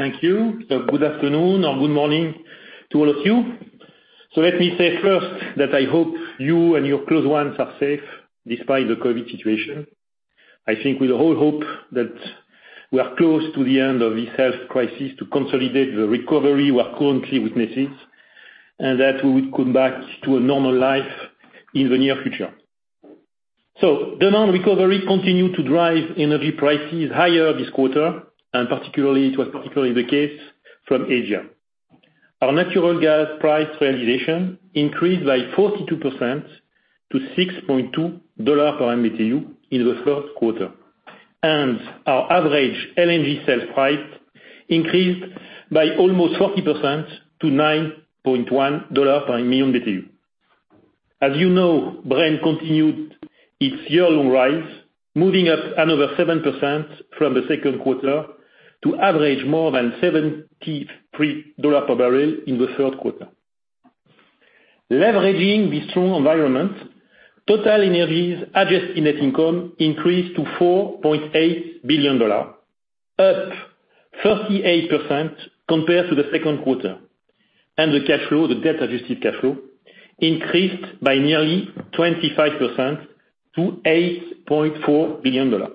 Thank you. Good afternoon or good morning to all of you. Let me say first that I hope you and your close ones are safe despite the COVID situation. I think we all hope that we are close to the end of this health crisis to consolidate the recovery we are currently witnessing, and that we will come back to a normal life in the near future. Demand recovery continued to drive energy prices higher this quarter, and particularly, it was particularly the case from Asia. Our natural gas price realization increased by 42% to $6.2 per MMBtu in the fourth quarter. Our average LNG sales price increased by almost 40% to $9.1 per MMBtu. As you know, Brent continued its year-long rise, moving up another 7% from the second quarter to average more than $73 per barrel in the third quarter. Leveraging this strong environment, TotalEnergies' adjusted net income increased to $4.8 billion, up 38% compared to the second quarter. The cash flow, the debt-adjusted cash flow, increased by nearly 25% to $8.4 billion.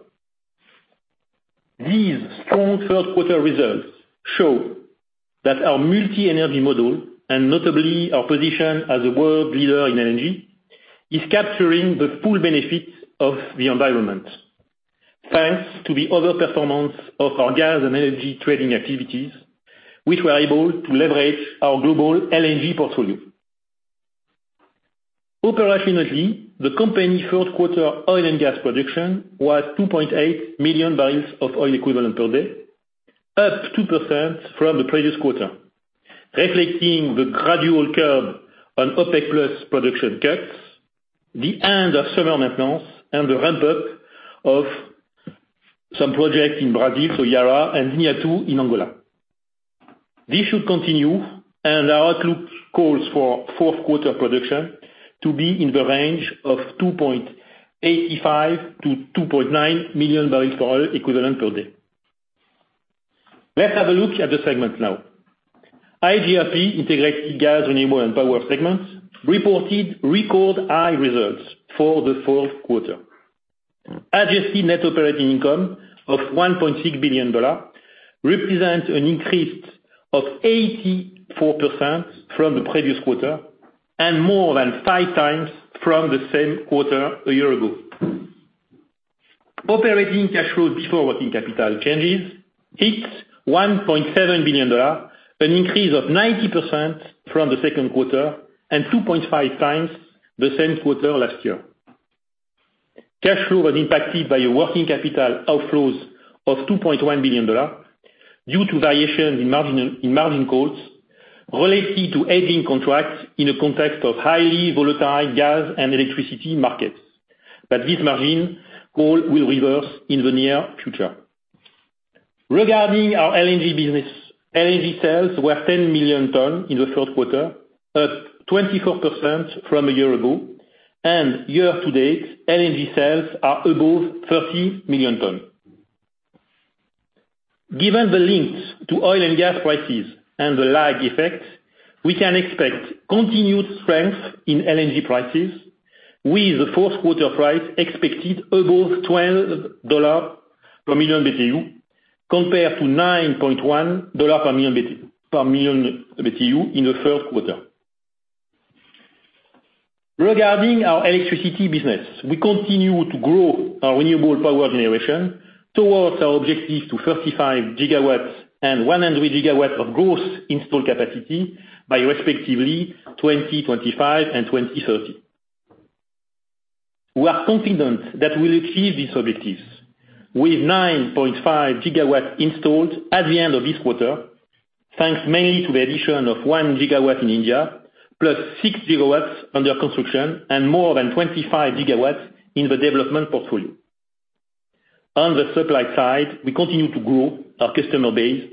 These strong third quarter results show that our multi-energy model, and notably our position as a world leader in LNG, is capturing the full benefits of the environment. Thanks to the overperformance of our gas and energy trading activities, which were able to leverage our global LNG portfolio. Operationally, the company's third quarter oil and gas production was 2.8 million barrels of oil equivalent per day, up 2% from the previous quarter, reflecting the gradual curb on OPEC+ production cuts, the end of summer maintenance, and the ramp-up of some projects in Brazil, uncertain, and N'Yuntu in Angola. This should continue, and our outlook calls for fourth quarter production to be in the range of 2.85-2.9 million barrels oil equivalent per day. Let's have a look at the segments now. IGRP, Integrated Gas, Renewable and Power segments, reported record high results for the fourth quarter. Adjusted net operating income of $1.6 billion represents an increase of 84% from the previous quarter and more than 5 times from the same quarter a year ago. Operating cash flow before working capital changes hit $1.7 billion, an increase of 90% from the second quarter and 2.5 times the same quarter last year. Cash flow was impacted by working capital outflows of $2.1 billion due to variations in margin costs relating to hedging contracts in a context of highly volatile gas and electricity markets. This margin call will reverse in the near future. Regarding our LNG business, LNG sales were 10 million tons in the third quarter, up 24% from a year ago, and year to date, LNG sales are above 30 million tons. Given the links to oil and gas prices and the lag effect, we can expect continued strength in LNG prices, with the fourth quarter price expected above $12 per million Btu, compared to $9.1 per million Btu, per million Btu in the third quarter. Regarding our electricity business, we continue to grow our renewable power generation towards our objective to 35 gigawatts and 100 gigawatts of gross installed capacity by respectively 2025 and 2030. We are confident that we'll achieve these objectives. With 9.5 gigawatts installed at the end of this quarter, thanks mainly to the addition of 1 gigawatt in India, plus 6 gigawatts under construction and more than 25 gigawatts in the development portfolio. On the supply side, we continue to grow our customer base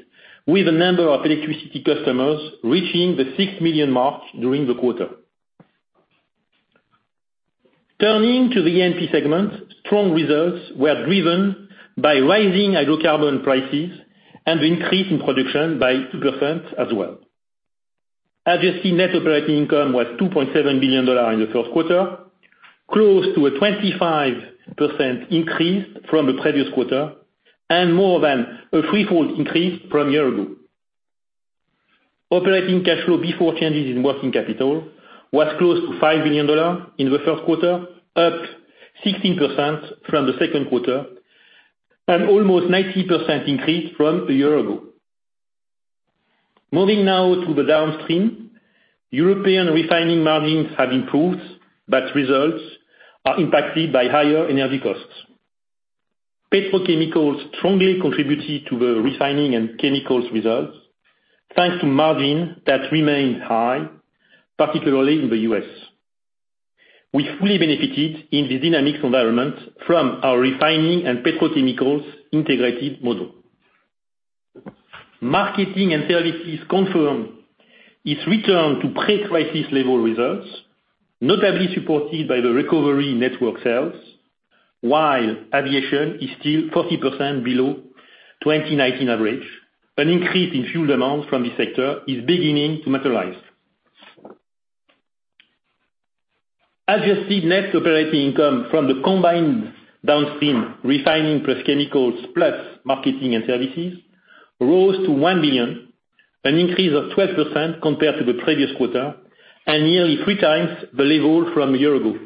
with a number of electricity customers reaching the 6 million mark during the quarter. Turning to the E&P segment, strong results were driven by rising hydrocarbon prices and the increase in production by 2% as well. Adjusted net operating income was $2.7 billion in the third quarter, close to a 25% increase from the previous quarter and more than a threefold increase from a year ago. Operating cash flow before changes in working capital was close to $5 billion in the third quarter, up 16% from the second quarter and almost 90% increase from a year ago. Moving now to the downstream, European refining margins have improved, but results are impacted by higher energy costs. Petrochemicals strongly contributed to the refining and chemicals results, thanks to margin that remained high, particularly in the U.S. We fully benefited in this dynamic environment from our refining and petrochemicals integrated model. Marketing and Services confirmed. It's returned to pre-crisis level results, notably supported by the recovery network sales. While aviation is still 40% below 2019 average, an increase in fuel demand from this sector is beginning to materialize. Adjusted net operating income from the combined downstream refining plus chemicals plus marketing and services rose to $1 billion, an increase of 12% compared to the previous quarter and nearly three times the level from a year ago.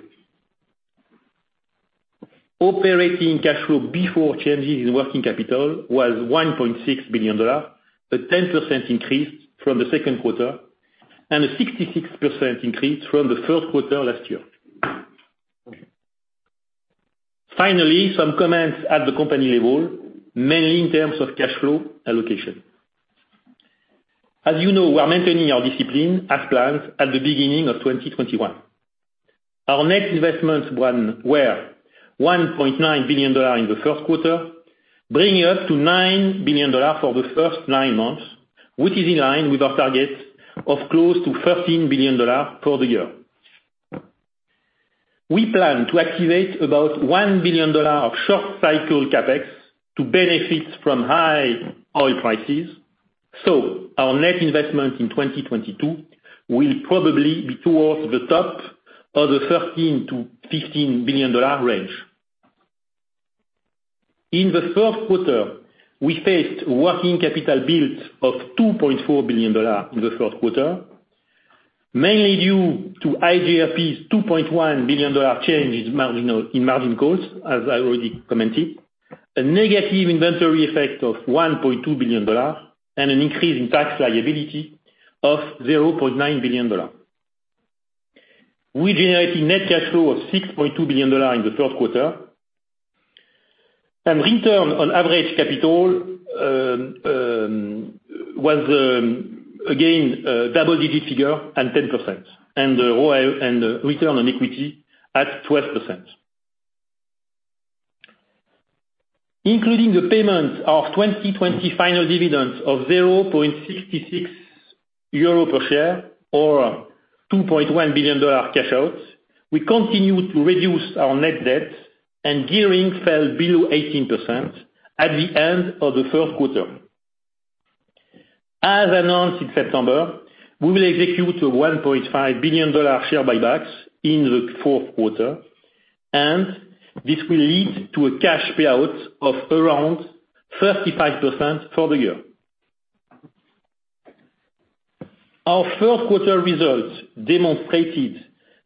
Operating cash flow before changes in working capital was $1.6 billion, a 10% increase from the second quarter and a 66% increase from the first quarter last year. Finally, some comments at the company level, mainly in terms of cash flow allocation. As you know, we're maintaining our discipline as planned at the beginning of 2021. Our net investments were $1.9 billion in the first quarter, bringing us to $9 billion for the first nine months, which is in line with our target of close to $13 billion for the year. We plan to activate about $1 billion of short cycle CapEx to benefit from high oil prices. Our net investment in 2022 will probably be towards the top of the $13 billion-$15 billion range. In the fourth quarter, we faced working capital builds of $2.4 billion in the fourth quarter, mainly due to iGRP's $2.1 billion change in margin costs, as I already commented, a negative inventory effect of $1.2 billion, and an increase in tax liability of $0.9 billion. We generated net cash flow of $6.2 billion in the fourth quarter. Return on average capital was again a double-digit figure and 10% and the ROI and return on equity at 12%. Including the payment of 2020 final dividends of 0.66 euro per share or $2.1 billion cash outs, we continue to reduce our net debt, and gearing fell below 18% at the end of the third quarter. As announced in September, we will execute a $1.5 billion share buybacks in the fourth quarter, and this will lead to a cash payout of around 35% for the year. Our fourth quarter results demonstrated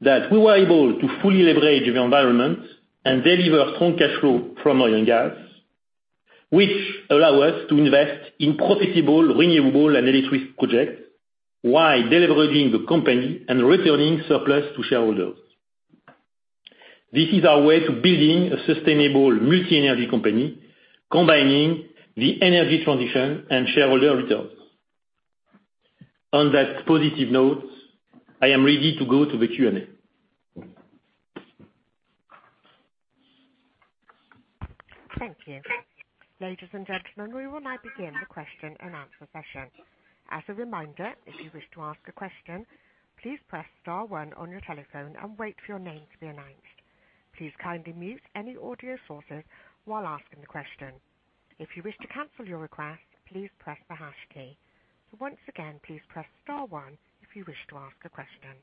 that we were able to fully leverage the environment and deliver strong cash flow from oil and gas, which allow us to invest in profitable renewable and electricity projects while deleveraging the company and returning surplus to shareholders. This is our way to building a sustainable multi-energy company, combining the energy transition and shareholder returns. On that positive note, I am ready to go to the Q&A. Thank you. Ladies and gentlemen, we will now begin the question and answer session. As a reminder, if you wish to ask a question, please press star one on your telephone and wait for your name to be announced. Please kindly mute any audio sources while asking the question. If you wish to cancel your request, please press the hash key. Once again, please press star one if you wish to ask a question.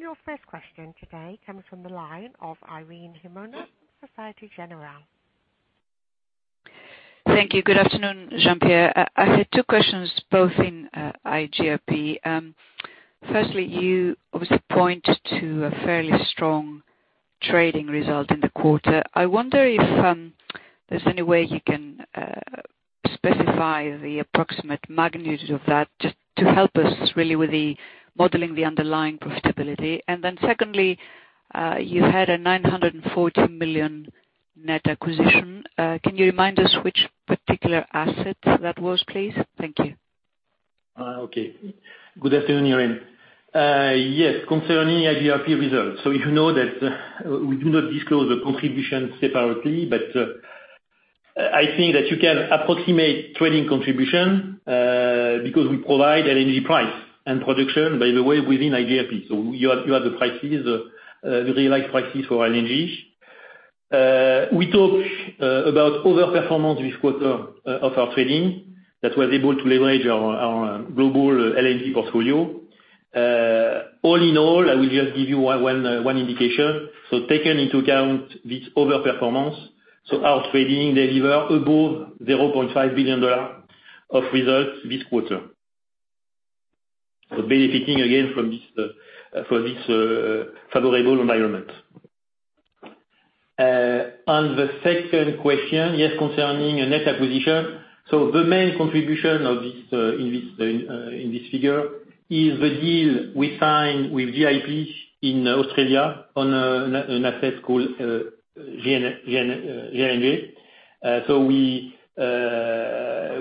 Your first question today comes from the line of Irene Himona, Société Générale. Thank you. Good afternoon, Jean-Pierre. I had two questions, both in IGRP. Firstly, you obviously point to a fairly strong trading result in the quarter. I wonder if there's any way you can specify the approximate magnitude of that just to help us really with the modeling the underlying profitability. Secondly, you had a $940 million net acquisition. Can you remind us which particular asset that was, please? Thank you. Okay. Good afternoon, Irene. Yes, concerning IGRP results. You know that we do not disclose the contribution separately, but I think that you can approximate trading contribution, because we provide LNG price and production, by the way, within IGRP. You have the prices, the realized prices for LNG. We talk about overperformance this quarter of our trading that was able to leverage our global LNG portfolio. All in all, I will just give you one indication. Taking into account this overperformance, our trading deliver above $0.5 billion of results this quarter. Benefiting again from this favorable environment. On the second question, yes, concerning a net acquisition. The main contribution of this in this figure is the deal we signed with VIP in Australia on an asset called VNJ.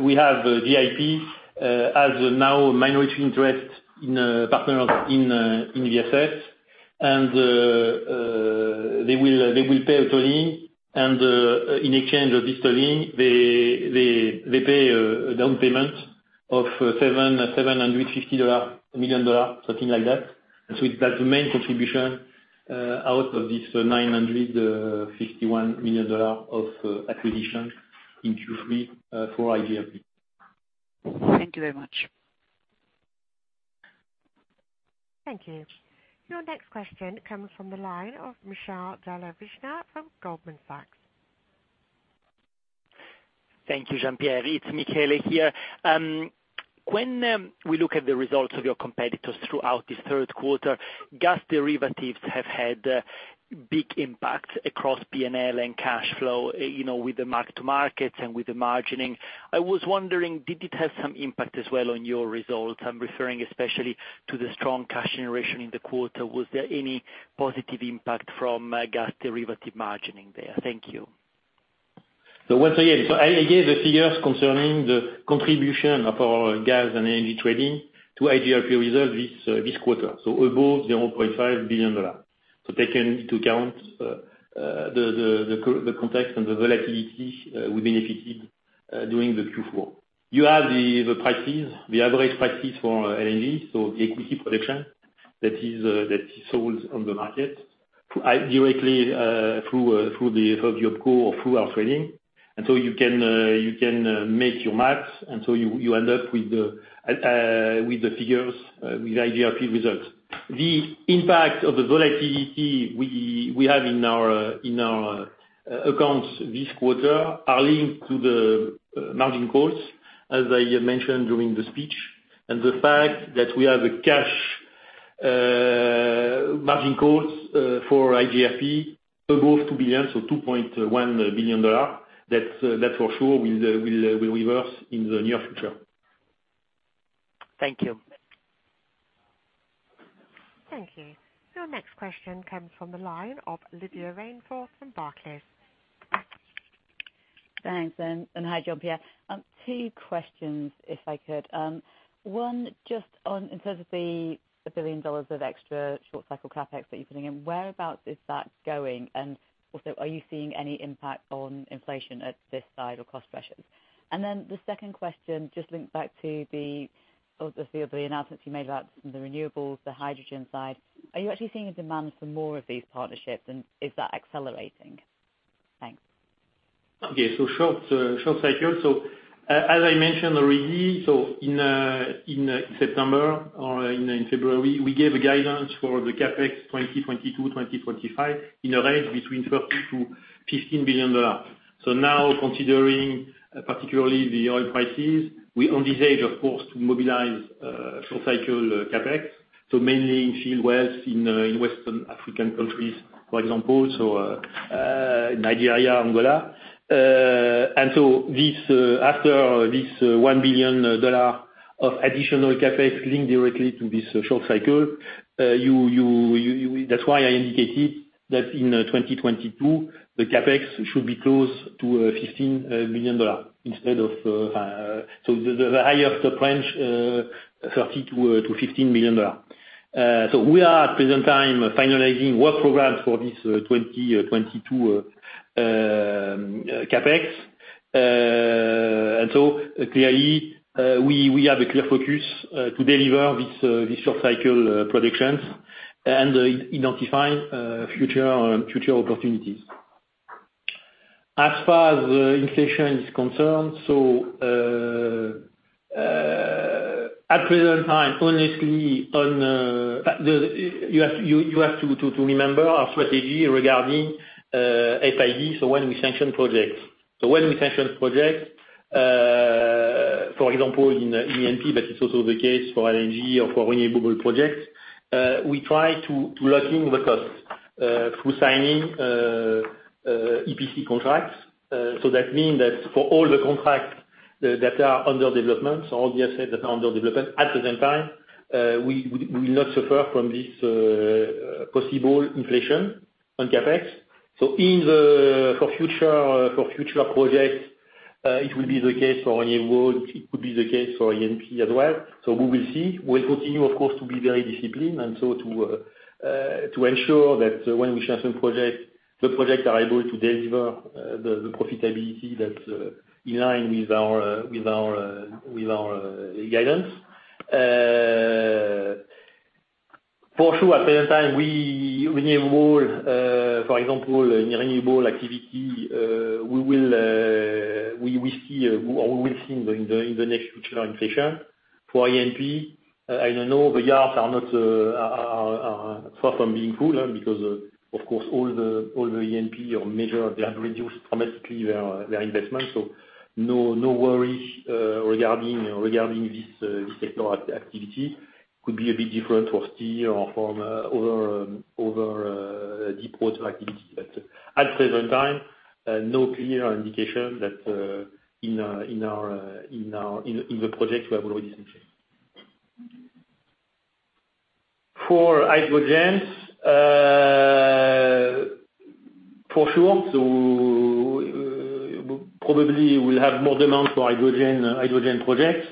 We have VIP as of now minority interest in partners in VSS. They will pay a tolling, and in exchange of this tolling, they pay a down payment of $750 million, something like that. That's the main contribution out of this $951 million dollar of acquisition in Q3 for iGRP. Thank you very much. Thank you. Your next question comes from the line of Michele Della Vigna from Goldman Sachs. Thank you, Jean-Pierre. It's Michele here. When we look at the results of your competitors throughout this third quarter, gas derivatives have had big impact across P&L and cash flow, you know, with the mark to markets and with the margining. I was wondering, did it have some impact as well on your results? I'm referring especially to the strong cash generation in the quarter. Was there any positive impact from gas derivative margining there? Thank you. Once I gave the figures concerning the contribution of our gas and LNG trading to iGRP results this quarter, above $0.5 billion. Taking into account the context and the volatility, we benefited during the Q4. You have the prices, the average prices for LNG, the equity production that is sold on the market directly through our trading. You can make your math, and you end up with the figures with iGRP results. The impact of the volatility we have in our accounts this quarter are linked to the margin costs, as I mentioned during the speech. The fact that we have a cash margin costs for iGRP above $2 billion, so $2.1 billion, that's that for sure will reverse in the near future. Thank you. Thank you. Your next question comes from the line of Lydia Rainforth from Barclays. Thanks, and hi, Jean-Pierre. Two questions if I could. One, just on, in terms of the $1 billion of extra short cycle CapEx that you're putting in, whereabouts is that going? And also, are you seeing any impact on inflation on this side or cost pressures? And then the second question, just link back to the announcements you made about the renewables, the hydrogen side. Are you actually seeing a demand for more of these partnerships, and is that acceler ating? Thanks. Short cycle. As I mentioned already, in September or in February, we gave a guidance for the CapEx 2022-2025 in a range $15 billion-$16 billion. Now considering particularly the oil prices, we, on this basis, of course, to mobilize short cycle CapEx, mainly infill wells in West African countries, for example, Nigeria, Angola. After this $1 billion of additional CapEx linked directly to this short cycle, that's why I indicated that in 2022, the CapEx should be close to $16 billion, the higher of the range $15 billion-$16 billion. We are at present time finalizing work programs for this 2022 CapEx. Clearly, we have a clear focus to deliver this short cycle productions and identify future opportunities. As far as inflation is concerned, at present time, honestly, you have to remember our strategy regarding FID when we sanction projects, for example in E&P, but it's also the case for LNG or for renewable projects, we try to lock in the costs through signing EPC contracts. That means that for all the contracts that are under development, all the assets that are under development at the same time, we will not suffer from this possible inflation on CapEx. For future projects, it will be the case for renewable, it could be the case for E&P as well. We will see. We'll continue of course to be very disciplined and to ensure that when we sanction projects, the projects are able to deliver the profitability that in line with our guidance. For sure at present time we are able, for example, in renewable activity, we see, or we will see in the near future inflation. For E&P, I know the yards are not far from being full, because of course all the E&P majors have reduced dramatically their investment. No worries regarding this type of activity. It could be a bit different for steel or from other deepwater activity. At present time, no clear indication that in our projects we have already seen. For hydrogen, for sure. Probably we'll have more demand for hydrogen projects.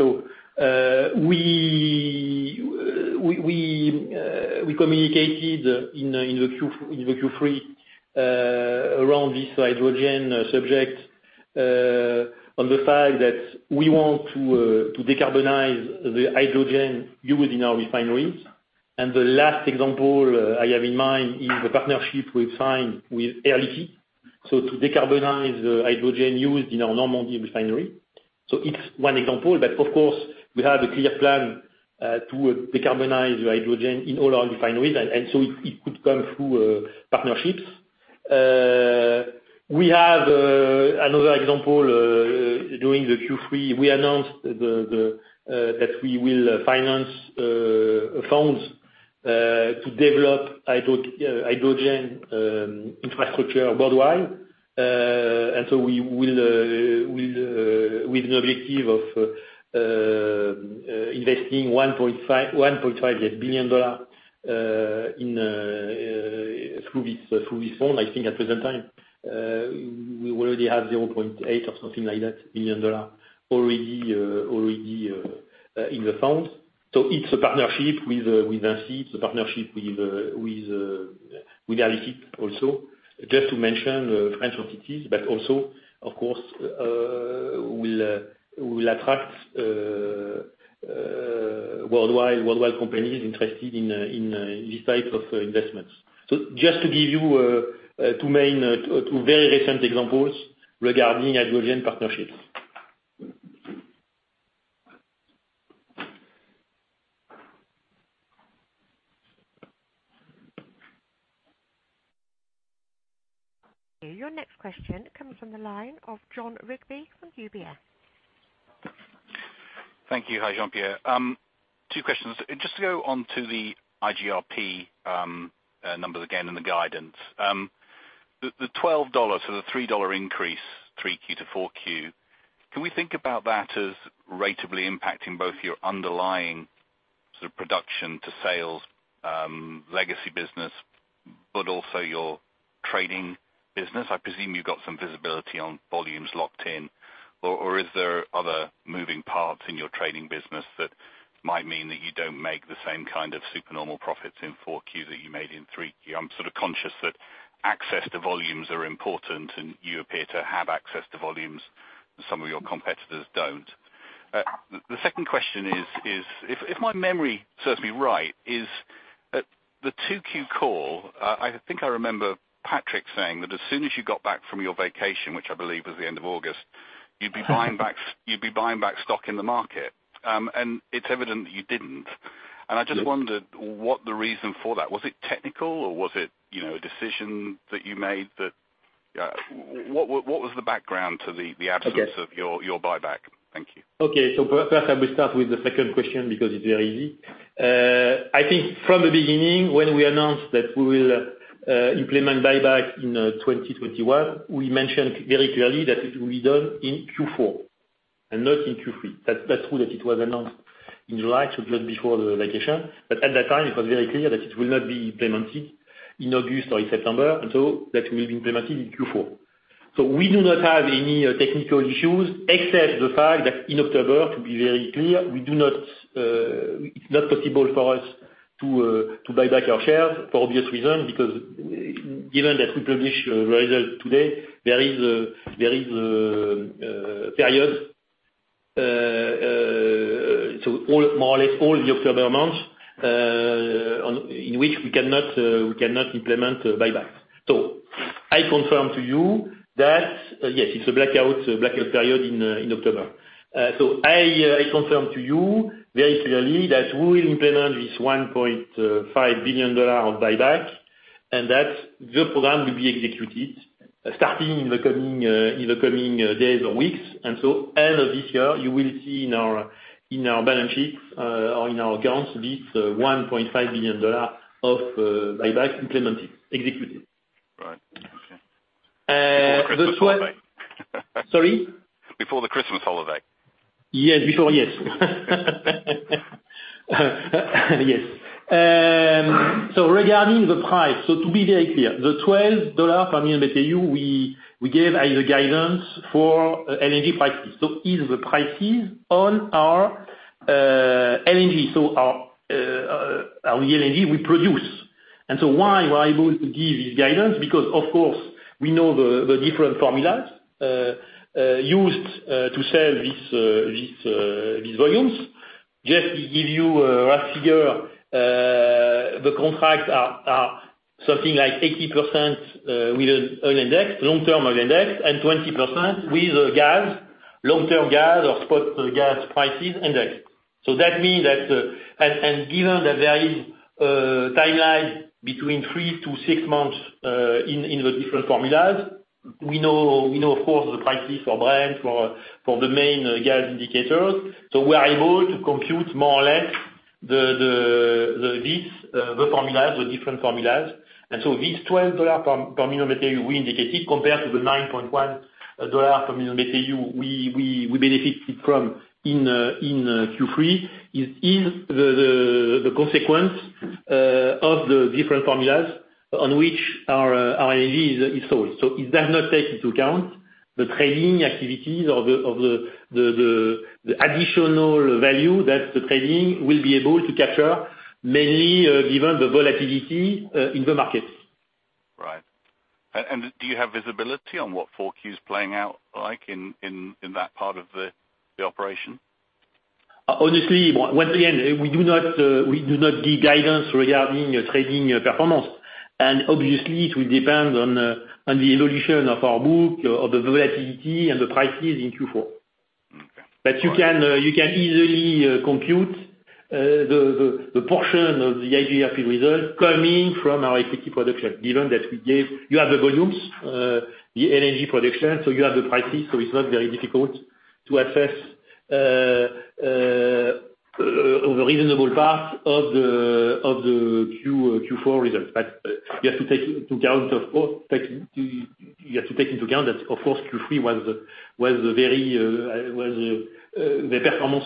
We communicated in the Q3 around this hydrogen subject on the fact that we want to decarbonize the hydrogen used in our refineries. The last example I have in mind is the partnership we've signed with Air Liquide to decarbonize the hydrogen used in our Normandy refinery. It's one example, but of course, we have a clear plan to decarbonize the hydrogen in all our refineries, and so it could come through partnerships. We have another example. During the Q3, we announced that we will finance funds to develop hydrogen infrastructure worldwide. We will with an objective of investing $1.5 billion through this fund. I think at present time, we already have $0.8 billion or something like that already in the fund. It's a partnership with ENGIE. It's a partnership with Air Liquide also, just to mention French companies. Also, of course, we'll attract worldwide companies interested in this type of investments. Just to give you two very recent examples regarding hydrogen partnerships. Your next question comes from the line of Jon Rigby from UBS. Thank you. Hi, Jean-Pierre. 2 questions. Just to go on to the IGRP numbers again and the guidance. The $12, so the $3 increase, 3Q to 4Q, can we think about that as ratably impacting both your underlying sort of production to sales legacy business, but also your trading business? I presume you've got some visibility on volumes locked in. Or is there other moving parts in your trading business that might mean that you don't make the same kind of super normal profits in 4Q that you made in 3Q? I'm sort of conscious that access to volumes are important, and you appear to have access to volumes some of your competitors don't. The second question is if my memory serves me right, at the 2Q call, I think I remember Patrick saying that as soon as you got back from your vacation, which I believe was the end of August, you'd be buying back stock in the market. It's evident that you didn't. Yes. I just wondered what the reason for that was. Was it technical or was it, you know, a decision that you made that what was the background to the absence- Okay. of your buyback? Thank you. Okay. First I will start with the second question because it's very easy. I think from the beginning when we announced that we will implement buyback in 2021, we mentioned very clearly that it will be done in Q4 and not in Q3. That's true that it was announced in July, so just before the vacation, but at that time it was very clear that it will not be implemented in August or in September, and so that will be implemented in Q4. We do not have any technical issues except the fact that in October to be very clear, we do not, it's not possible for us to buy back our shares for obvious reasons, because given that we publish results today, there is a period, so more or less all the October months in which we cannot implement buyback. I confirm to you that, yes, it's a blackout period in October. I confirm to you very clearly that we will implement this $1.5 billion of buyback and that the program will be executed starting in the coming days or weeks. End of this year you will see in our balance sheets or in our accounts this $1.5 billion of buyback implemented, executed. Right. Okay. the 12- Before the Christmas holiday. Sorry? Before the Christmas holiday. Yes, before. Yes. Yes. Regarding the price, to be very clear, the $12 per MMBtu we gave as a guidance for LNG prices. This is the price on our LNG we produce. Why we are able to give this guidance? Because of course, we know the different formulas used to sell these volumes. Just to give you a rough figure, the contracts are something like 80% with an oil index, long-term oil index, and 20% with gas, long-term gas or spot gas prices index. That means that given that there is a timeline between 3-6 months in the different formulas, we know of course the prices for Brent for the main gas indicators. We are able to compute more or less the different formulas. This $12 per million BTU we indicated compared to the $9.1 per million BTU we benefited from in Q3 is the consequence of the different formulas on which our energy is sold. It does not take into account the trading activities and the additional value that the trading will be able to capture, mainly given the volatility in the markets. Right. Do you have visibility on what [inaudible] playing out like in that part of the operation? Honestly, once again, we do not give guidance regarding trading performance. Obviously it will depend on the evolution of our book or the volatility and the prices in Q4. Okay. All right. You can easily compute the portion of the iGRP result coming from our activity production, given that you have the volumes, the energy production, so you have the prices, so it's not very difficult to assess the reasonable path of the Q4 results. You have to take into account that of course the performance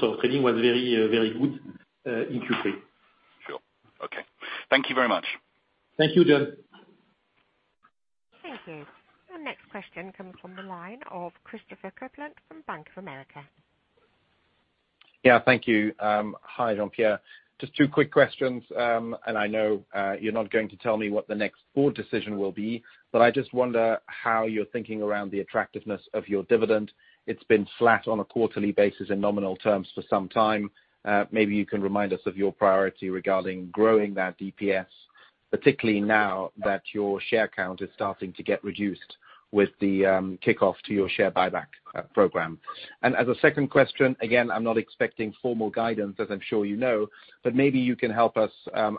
of trading was very good in Q3. Sure. Okay. Thank you very much. Thank you, John. Thank you. Our next question comes from the line of Christopher Kuplent from Bank of America. Yeah, thank you. Hi, Jean-Pierre. Just two quick questions. I know you're not going to tell me what the next board decision will be, but I just wonder how you're thinking around the attractiveness of your dividend. It's been flat on a quarterly basis in nominal terms for some time. Maybe you can remind us of your priority regarding growing that DPS, particularly now that your share count is starting to get reduced with the kickoff to your share buyback program. As a second question, again, I'm not expecting formal guidance, as I'm sure you know, but maybe you can help us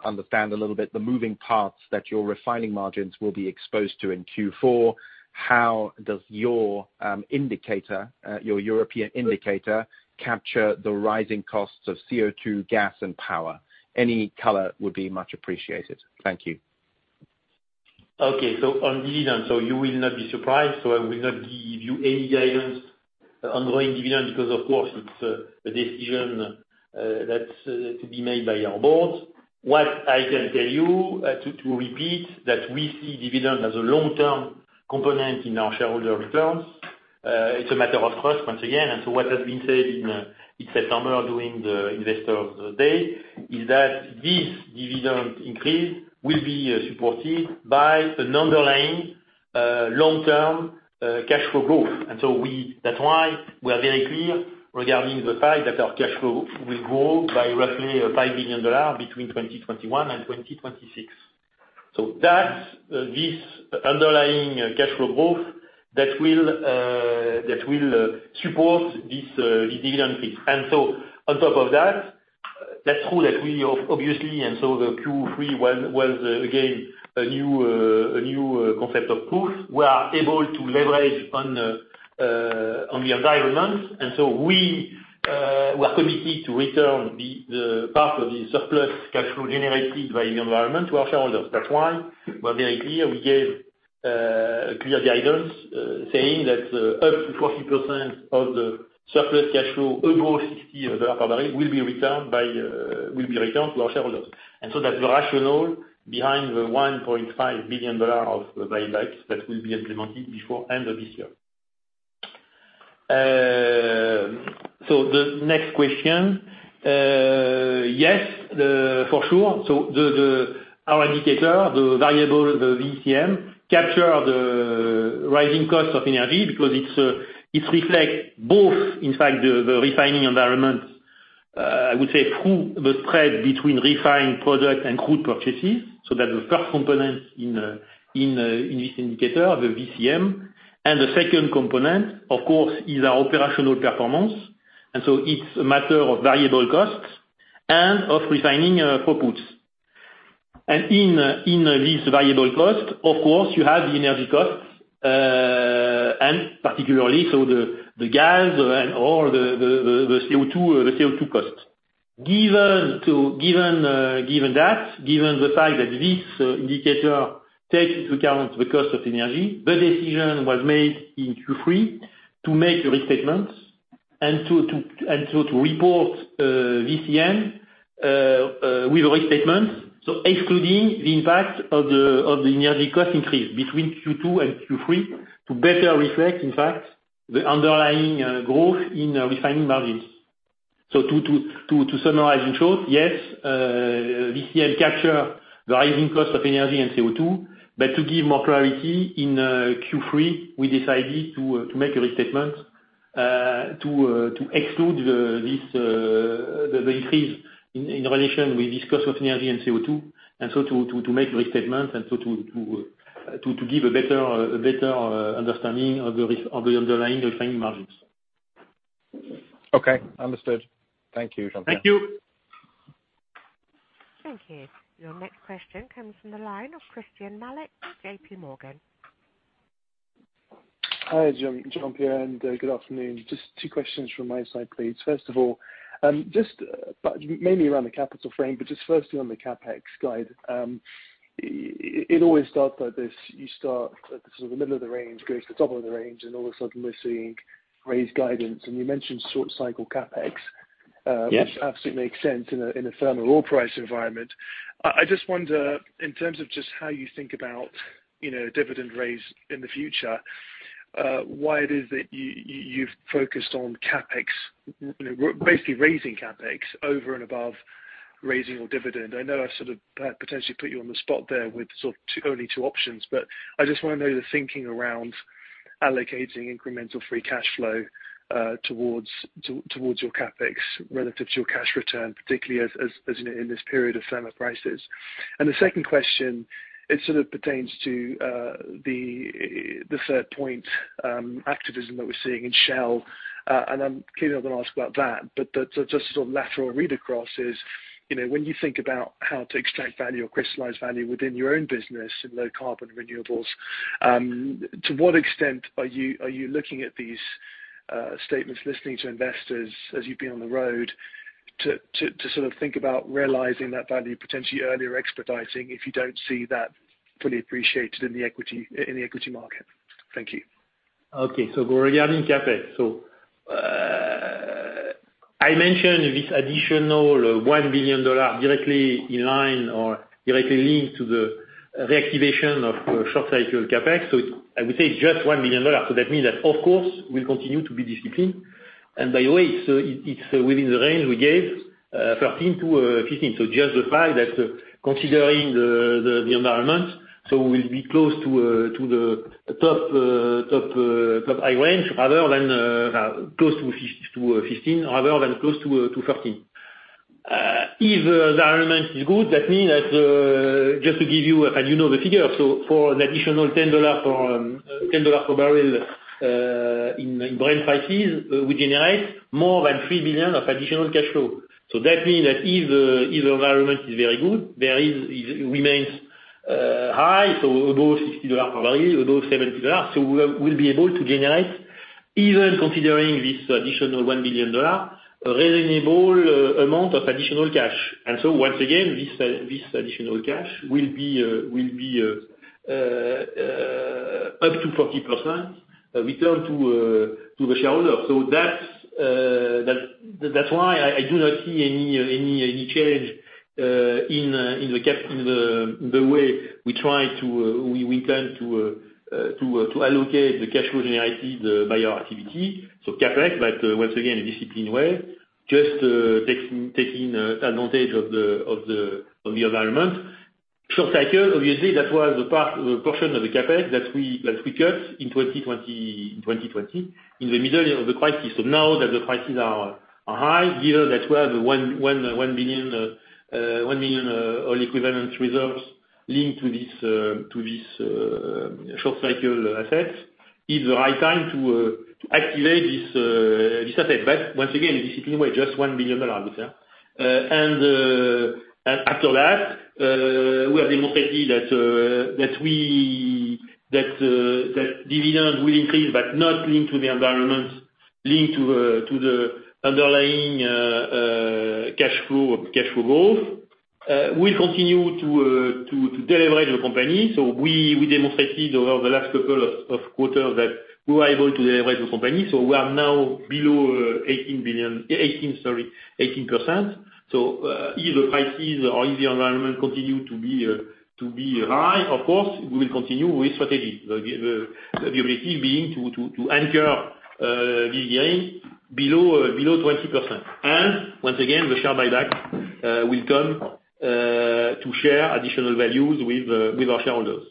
understand a little bit the moving parts that your refining margins will be exposed to in Q4. How does your indicator, your European indicator capture the rising costs of CO2 gas and power? Any color would be much appreciated. Thank you. On dividend, you will not be surprised. I will not give you any guidance on growing dividend because, of course, it's a decision that's to be made by our board. What I can tell you to repeat, that we see dividend as a long-term component in our shareholder returns. It's a matter of trust once again, and what has been said last summer during the Investor Day is that this dividend increase will be supported by an underlying long-term cash flow growth. That's why we are very clear regarding the fact that our cash flow will grow by roughly $5 billion between 2021 and 2026. That's this underlying cash flow growth that will support this dividend piece. On top of that's true that we obviously the Q3 was again a new proof of concept. We are able to leverage on the environment. We are committed to return the part of the surplus cash flow generated by the environment to our shareholders. That's why we're very clear. We gave clear guidance saying that up to 40% of the surplus cash flow above $60 per barrel will be returned to our shareholders. That's the rationale behind the $1.5 billion of buybacks that will be implemented before end of this year. The next question, yes, for sure. Our indicator, the variable, the VCM capture the rising cost of energy because it's it reflect both in fact the refining environment, I would say through the spread between refined product and crude purchases. That's the first component in this indicator, the VCM. The second component, of course, is our operational performance. It's a matter of variable costs and of refining outputs. In this variable cost, of course, you have the energy costs, and particularly so the gas and all the CO2 costs. Given the fact that this indicator takes into account the cost of energy, the decision was made in Q3 to make the restatements and to report VCM with restatements. Excluding the impact of the energy cost increase between Q2 and Q3 to better reflect, in fact, the underlying growth in refining margins. To summarize in short, yes, VCM capture the rising cost of energy and CO2, but to give more clarity, in Q3, we decided to make a restatement to exclude the increase in relation with this cost of energy and CO2, and so to give a better understanding of the underlying refining margins. Okay. Understood. Thank you, Jean-Pierre. Thank you. Thank you. Your next question comes from the line of Christyan Malek, J.P. Morgan. Hi, Jean-Pierre, and good afternoon. Just two questions from my side, please. First of all, just, but mainly around the capital framework, but just firstly on the CapEx guide. It always starts like this. You start at the sort of middle of the range, goes to the top of the range, and all of a sudden we're seeing raised guidance. You mentioned short cycle CapEx, which absolutely makes sense in a firmer oil price environment. I just wonder, in terms of just how you think about, you know, dividend raise in the future, why it is that you've focused on CapEx, you know, basically raising CapEx over and above raising your dividend. I know I've sort of perhaps potentially put you on the spot there with sort of only two options, but I just wanna know the thinking around allocating incremental free cashflow towards your CapEx relative to your cash return, particularly in this period of firmer prices. The second question, it sort of pertains to the third point, activism that we're seeing in Shell. I'm clearly not gonna ask about that, but the just sort of lateral read-across is, you know, when you think about how to extract value or crystallize value within your own business in low carbon renewables, to what extent are you looking at these statements, listening to investors as you've been on the road to sort of think about realizing that value potentially earlier, expediting if you don't see that fully appreciated in the equity market? Thank you. Regarding CapEx, I mentioned this additional $1 billion directly in line or directly linked to the reactivation of short cycle CapEx. It's just $1 billion, that means that of course we'll continue to be disciplined. By the way, it's within the range we gave, $13 billion-$15 billion. Considering the environment, we'll be close to the top high range rather than close to fifteen rather than close to thirteen. If the environment is good, that means that just to give you, and you know the figures, for an additional $10 per barrel in oil prices, we generate more than $3 billion of additional cashflow. That means that if the environment is very good, it remains high, so above $60 per barrel, above $70, so we'll be able to generate, even considering this additional $1 billion, a reasonable amount of additional cash. Once again, this additional cash will be up to 40% return to the shareholder. That's why I do not see any change in the way we try to allocate the cash flow generated by our activity. CapEx, but once again, a disciplined way, just taking advantage of the environment. Short cycle, obviously that was a part, a portion of the CapEx that we cut in 2020, in the middle of the crisis. Now that the prices are high, given that we have 1 billion oil equivalent reserves linked to this short cycle assets, is the right time to activate this asset. Once again, a disciplined way, just $1 billion out there. After that, we have demonstrated that dividend will increase but not linked to the environment, linked to the underlying cash flow growth. We continue to de-leverage the company. We demonstrated over the last couple of quarters that we are able to de-leverage the company, so we are now below 18%. If the prices or if the environment continue to be high, of course we will continue with strategy. The objective being to anchor this gain below 20%. Once again, the share buyback will come to share additional values with our shareholders.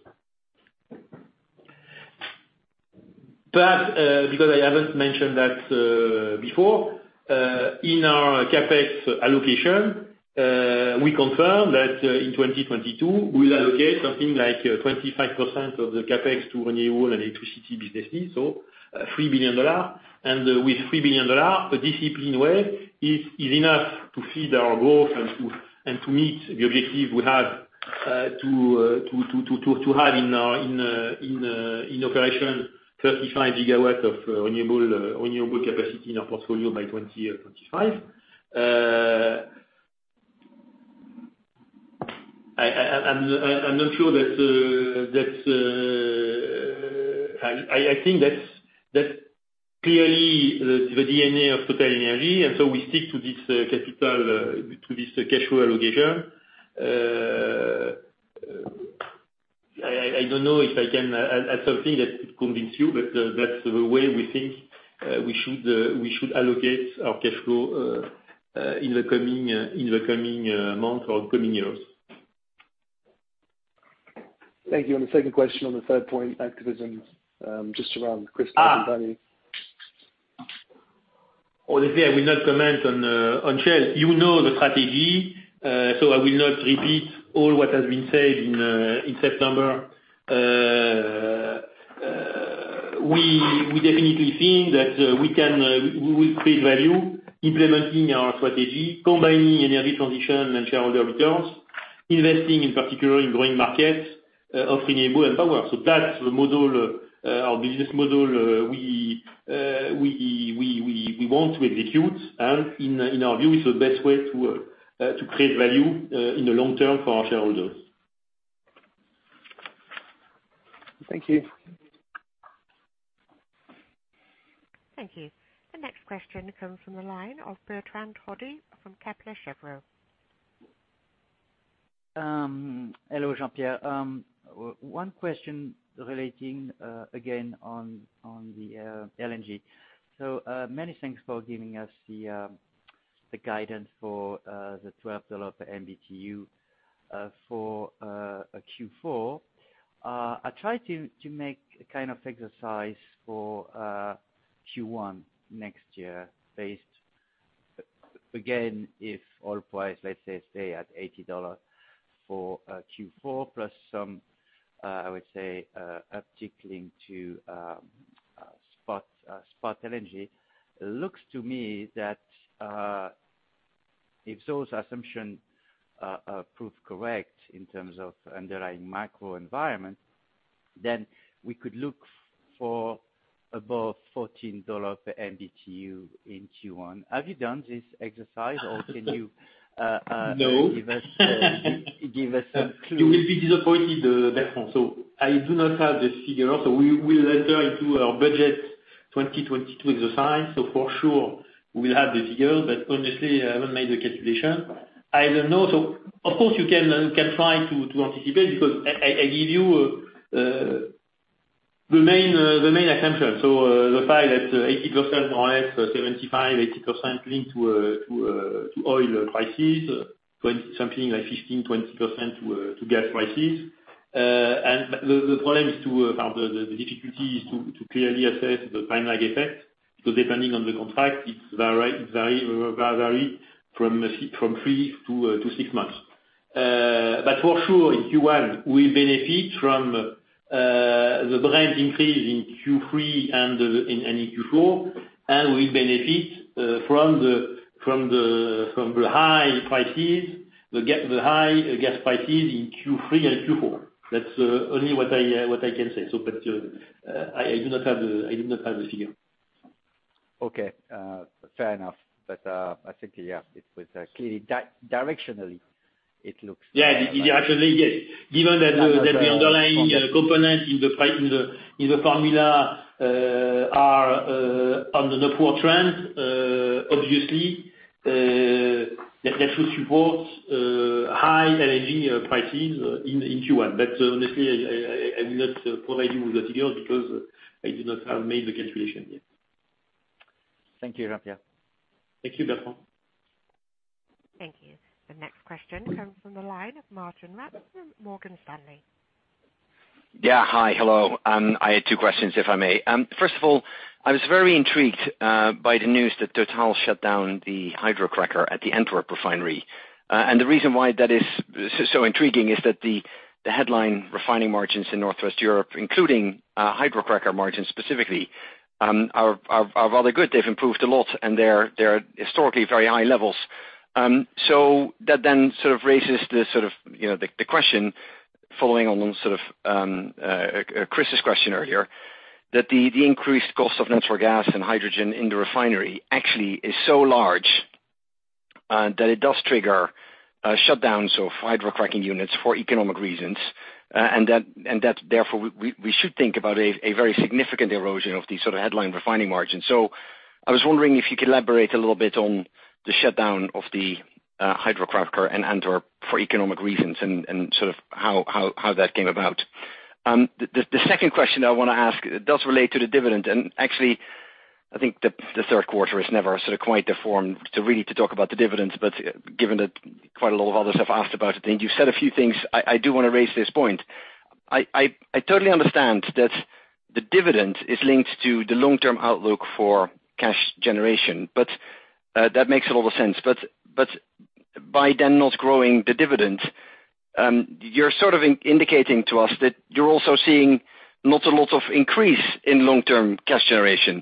Perhaps because I haven't mentioned that before in our CapEx allocation, we confirm that in 2022 we'll allocate something like 25% of the CapEx to renewable and electricity businesses, $3 billion. With $3 billion, a disciplined way is enough to feed our growth and to meet the objective we have to have in operation 35 GW of renewable capacity in our portfolio by 2025. I'm not sure that I think that's clearly the DNA of TotalEnergies, and so we stick to this capital to this cashflow allocation. I don't know if I can add something that could convince you, but that's the way we think we should allocate our cashflow in the coming months or coming years. Thank you. The second question on the third point, activism, just around capital value. Obviously I will not comment on Shell. You know the strategy, so I will not repeat all what has been said in September. We definitely think that we will create value implementing our strategy, combining energy transition and shareholder returns, investing in particular in growing markets of renewable and power. So that's the model, our business model, we want to execute. In our view, it's the best way to create value in the long term for our shareholders. Thank you. Thank you. The next question comes from the line of Bertrand Hodee from Kepler Cheuvreux. Hello, Jean-Pierre. One question relating again on the LNG. Many thanks for giving us the guidance for the $12 per MMBtu for Q4. I try to make a kind of exercise for Q1 next year based again if oil price, let's say, stay at $80 for Q4 plus some. I would say particularly to spot LNG. Looks to me that if those assumptions are proved correct in terms of underlying macro environment, then we could look for above $14 per MMBtu in Q1. Have you done this exercise or can you No. Give us some clue. You will be disappointed, Bertrand Toddy, I do not have the figure. We will enter into our budget 2022 exercise. For sure we will have the figure. Honestly, I haven't made the calculation. I don't know, of course you can try to anticipate because I give you the main assumption. The fact that 80%, 75-80% linked to oil prices, something like 15-20% to gas prices. And the difficulty is to clearly assess the time lag effect because depending on the contract, it varies from 3-6 months. For sure in Q1, we benefit from the price increase in Q3 and in Q4, and we benefit from the high gas prices in Q3 and Q4. That's only what I can say. I do not have the figure. Okay. Fair enough. I think, yeah, it was clearly directionally it looks. Yeah. Directionally, yes. Given that the underlying component in the formula are on the upward trend, obviously, that should support high LNG prices in Q1. But honestly, I will not provide you with the figures because I do not have made the calculation yet. Thank you, Jean-Pierre. Thank you, Bertrand. Thank you. The next question comes from the line of Martijn Rats from Morgan Stanley. Yeah. Hi. Hello. I had two questions, if I may. First of all, I was very intrigued by the news that Total shut down the hydrocracker at the Antwerp refinery. The reason why that is so intriguing is that the headline refining margins in Northwest Europe, including hydrocracker margins specifically, are rather good. They've improved a lot, and they're historically very high levels. That then sort of raises the sort of, you know, the question following on sort of Chris' question earlier, that the increased cost of natural gas and hydrogen in the refinery actually is so large that it does trigger shutdowns of hydrocracking units for economic reasons. That therefore we should think about a very significant erosion of the sort of headline refining margins. I was wondering if you could elaborate a little bit on the shutdown of the hydrocracker in Antwerp for economic reasons and sort of how that came about. The second question I wanna ask does relate to the dividend, and actually, I think the third quarter is never sort of quite the forum to really talk about the dividends, but given that quite a lot of others have asked about it, and you've said a few things, I totally understand that the dividend is linked to the long-term outlook for cash generation, but that makes a lot of sense. By then not growing the dividend, you're sort of indicating to us that you're also seeing not a lot of increase in long-term cash generation.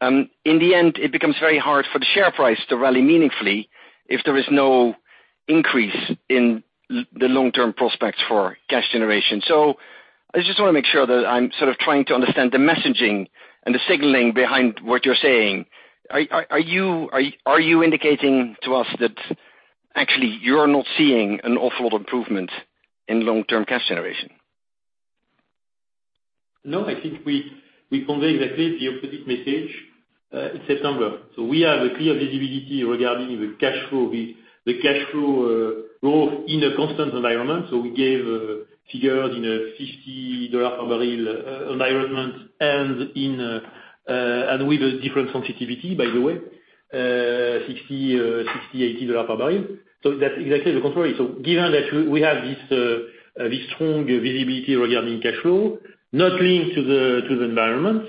In the end, it becomes very hard for the share price to rally meaningfully if there is no increase in the long-term prospects for cash generation. I just wanna make sure that I'm sort of trying to understand the messaging and the signaling behind what you're saying. Are you indicating to us that actually you're not seeing an awful lot of improvement in long-term cash generation? No, I think we convey exactly the opposite message in September. We have a clear visibility regarding the cash flow growth in a constant environment. We gave figures in a $60 per barrel environment and with a different sensitivity, by the way, $60-$80 per barrel. That's exactly the contrary. Given that we have this strong visibility regarding cash flow, not linked to the environment,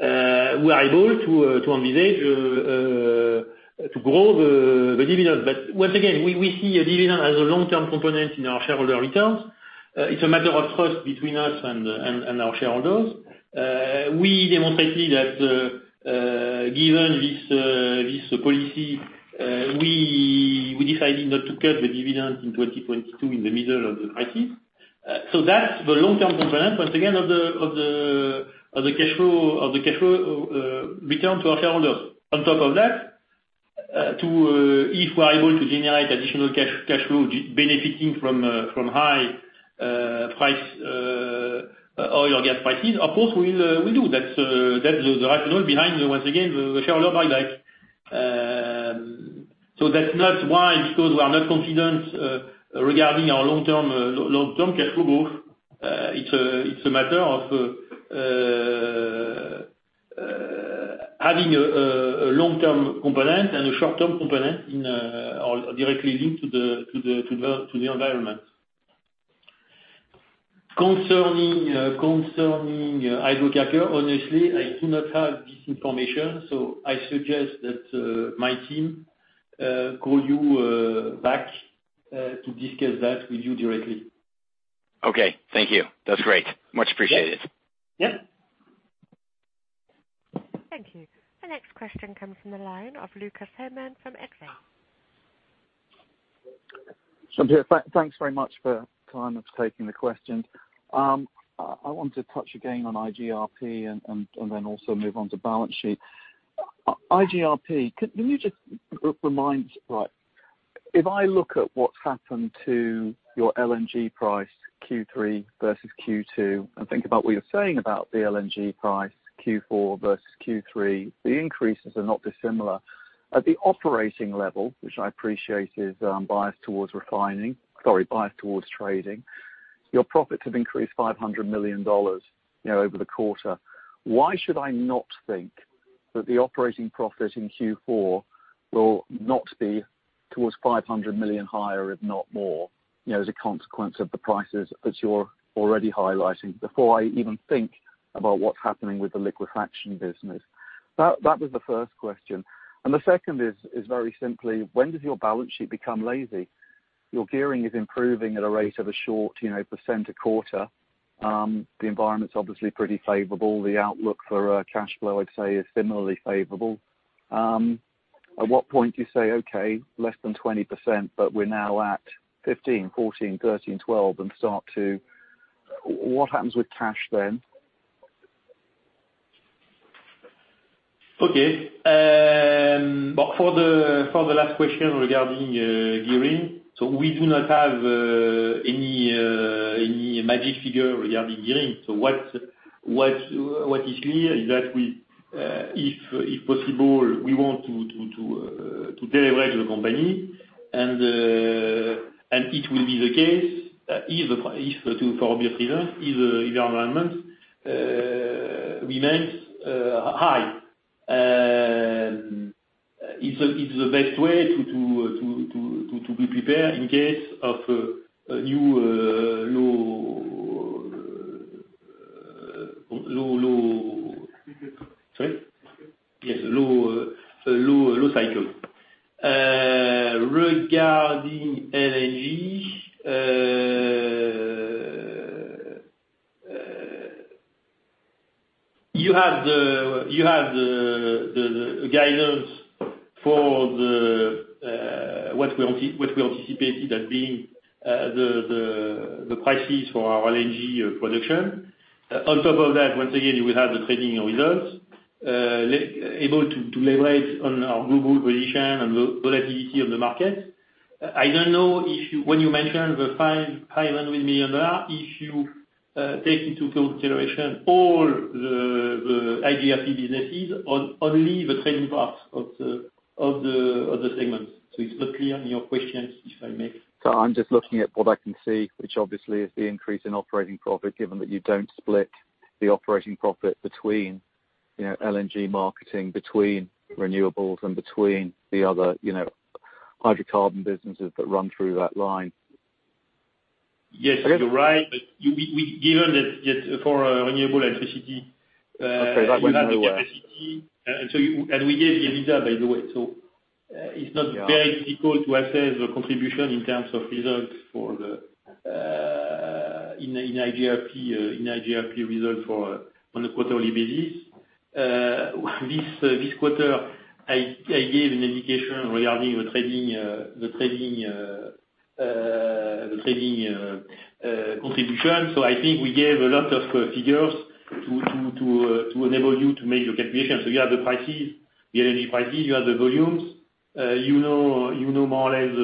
we are able to envisage to grow the dividend. But once again, we see a dividend as a long-term component in our shareholder returns. It's a matter of trust between us and our shareholders. We demonstrated that, given this policy, we decided not to cut the dividend in 2022 in the middle of the crisis. That's the long-term component once again of the cash flow return to our shareholders. On top of that, if we are able to generate additional cash flow benefiting from high oil or gas prices, of course we'll do. That's the rationale behind, once again, the shareholder highlights. That's not why, because we are not confident regarding our long-term cash flow growth. It's a matter of having a long-term component and a short-term component in or directly linked to the environment. Concerning hydrocracker, honestly, I do not have this information, so I suggest that my team call you back to discuss that with you directly. Okay, thank you. That's great. Much appreciated. Yeah. Yeah. Thank you. The next question comes from the line of Lucas Herrmann from Exane BNP Paribas. Jean-Pierre, thanks very much for taking the questions. I want to touch again on IGRP and then also move on to balance sheet. IGRP, will you just remind, like, if I look at what's happened to your LNG price Q3 versus Q2, and think about what you're saying about the LNG price, Q4 versus Q3, the increases are not dissimilar. At the operating level, which I appreciate is biased towards refining, sorry, biased towards trading, your profits have increased $500 million, you know, over the quarter. Why should I not think that the operating profit in Q4 will not be towards $500 million higher, if not more, you know, as a consequence of the prices that you're already highlighting before I even think about what's happening with the liquefaction business? That was the first question. The second is very simply, when does your balance sheet become lazy? Your gearing is improving at a rate of about 1%, you know, a quarter. The environment's obviously pretty favorable. The outlook for cash flow, I'd say, is similarly favorable. At what point do you say, "Okay, less than 20%, but we're now at 15, 14, 13, 12," and start to. What happens with cash then? Okay. For the last question regarding gearing, we do not have any magic figure regarding gearing. What is clear is that we, if possible, want to deleverage the company and it will be the case if, for obvious reasons, the environment remains high. It's the best way to be prepared in case of a new low cycle. Regarding LNG, you have the guidance for what we anticipated as being the prices for our LNG production. On top of that, once again, you will have the trading results, able to leverage on our global position and volatility of the market. I don't know if you, when you mention the $500 million, if you take into consideration all the IGRP businesses or only the trading parts of the segments. It's not clear in your questions, if I may. I'm just looking at what I can see, which obviously is the increase in operating profit, given that you don't split the operating profit between, you know, LNG marketing, between renewables and between the other, you know, hydrocarbon businesses that run through that line. Yes, you're right. We, given that for renewable electricity Okay, that went nowhere.... you have the capacity, and so you and we gave the result, by the way. Yeah It's not very difficult to assess the contribution in terms of results for the IGRP results on a quarterly basis. This quarter, I gave an indication regarding the trading contribution. I think we gave a lot of figures to enable you to make your calculations. You have the prices, the LNG prices, you have the volumes. You know, you know more or less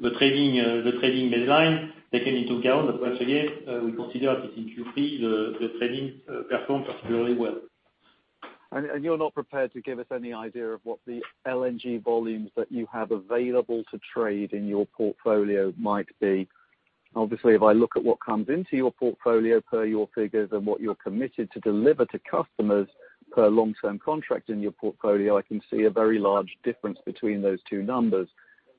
the trading baseline taken into account. Once again, we consider that in Q3 the trading performed particularly well. You're not prepared to give us any idea of what the LNG volumes that you have available to trade in your portfolio might be? Obviously, if I look at what comes into your portfolio per your figures and what you're committed to deliver to customers per long-term contract in your portfolio, I can see a very large difference between those two numbers,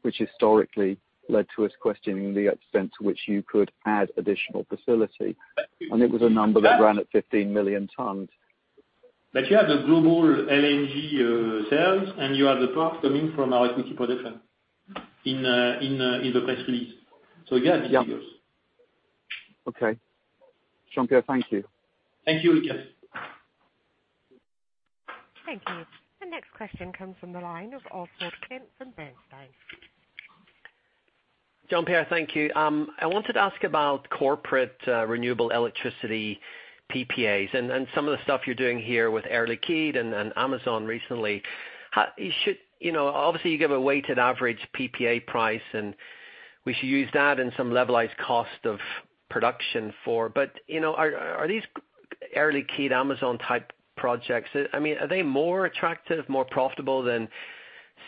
which historically led to us questioning the extent to which you could add additional facility. It was a number that ran at 15 million tons. You have the global LNG sales, and you have the part coming from our equity production in the press release. Again, these figures. Okay. Jean-Pierre, thank you. Thank you, Lucas. Thank you. The next question comes from the line of Oswald Clint from Bernstein. Jean-Pierre, thank you. I wanted to ask about corporate renewable electricity PPAs and some of the stuff you're doing here with Air Liquide and Amazon recently. You should, you know, obviously you give a weighted average PPA price, and we should use that in some levelized cost of production for. But, you know, are these Air Liquide, Amazon type projects, I mean, are they more attractive, more profitable than,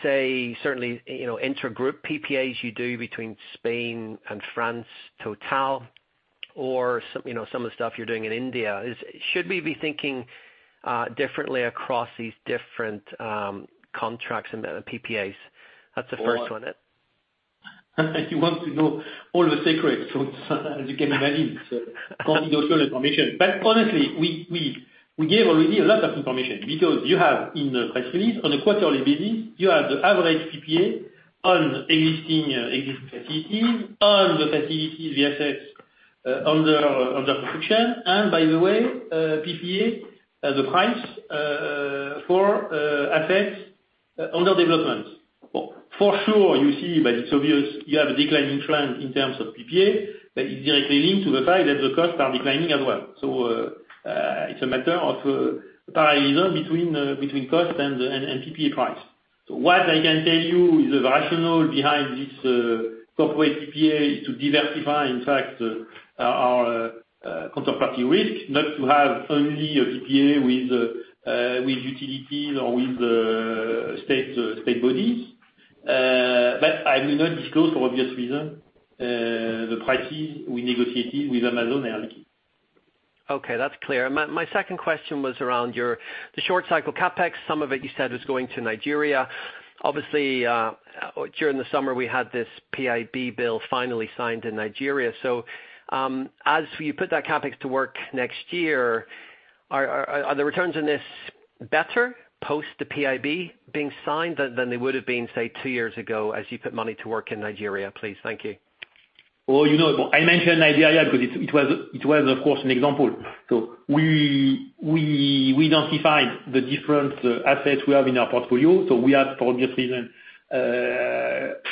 say, certainly, you know, intragroup PPAs you do between Spain and France Total or some, you know, some of the stuff you're doing in India? Should we be thinking differently across these different contracts and PPAs? That's the first one. You want to know all the secrets, so as you can imagine, it's confidential information. Honestly, we gave already a lot of information because you have in the press release on a quarterly basis, you have the average PPA on existing facilities, on the facilities, the assets under production. By the way, PPA the price for assets under development. For sure, you see, it's obvious you have a decline in France in terms of PPA, but it's directly linked to the fact that the costs are declining as well. It's a matter of parallelism between cost and PPA price. What I can tell you is the rationale behind this corporate PPA is to diversify, in fact, our counterparty risk, not to have only a PPA with utilities or with state bodies. I will not disclose for obvious reason the prices we negotiated with Amazon and Air Liquide. Okay, that's clear. My second question was around the short cycle CapEx. Some of it you said was going to Nigeria. Obviously, during the summer, we had this PIB bill finally signed in Nigeria. As you put that CapEx to work next year, are the returns on this better post the PIB being signed than they would've been, say, two years ago as you put money to work in Nigeria, please? Thank you. Well, you know, I mentioned Nigeria because it was of course an example. We identified the different assets we have in our portfolio. We have for obvious reason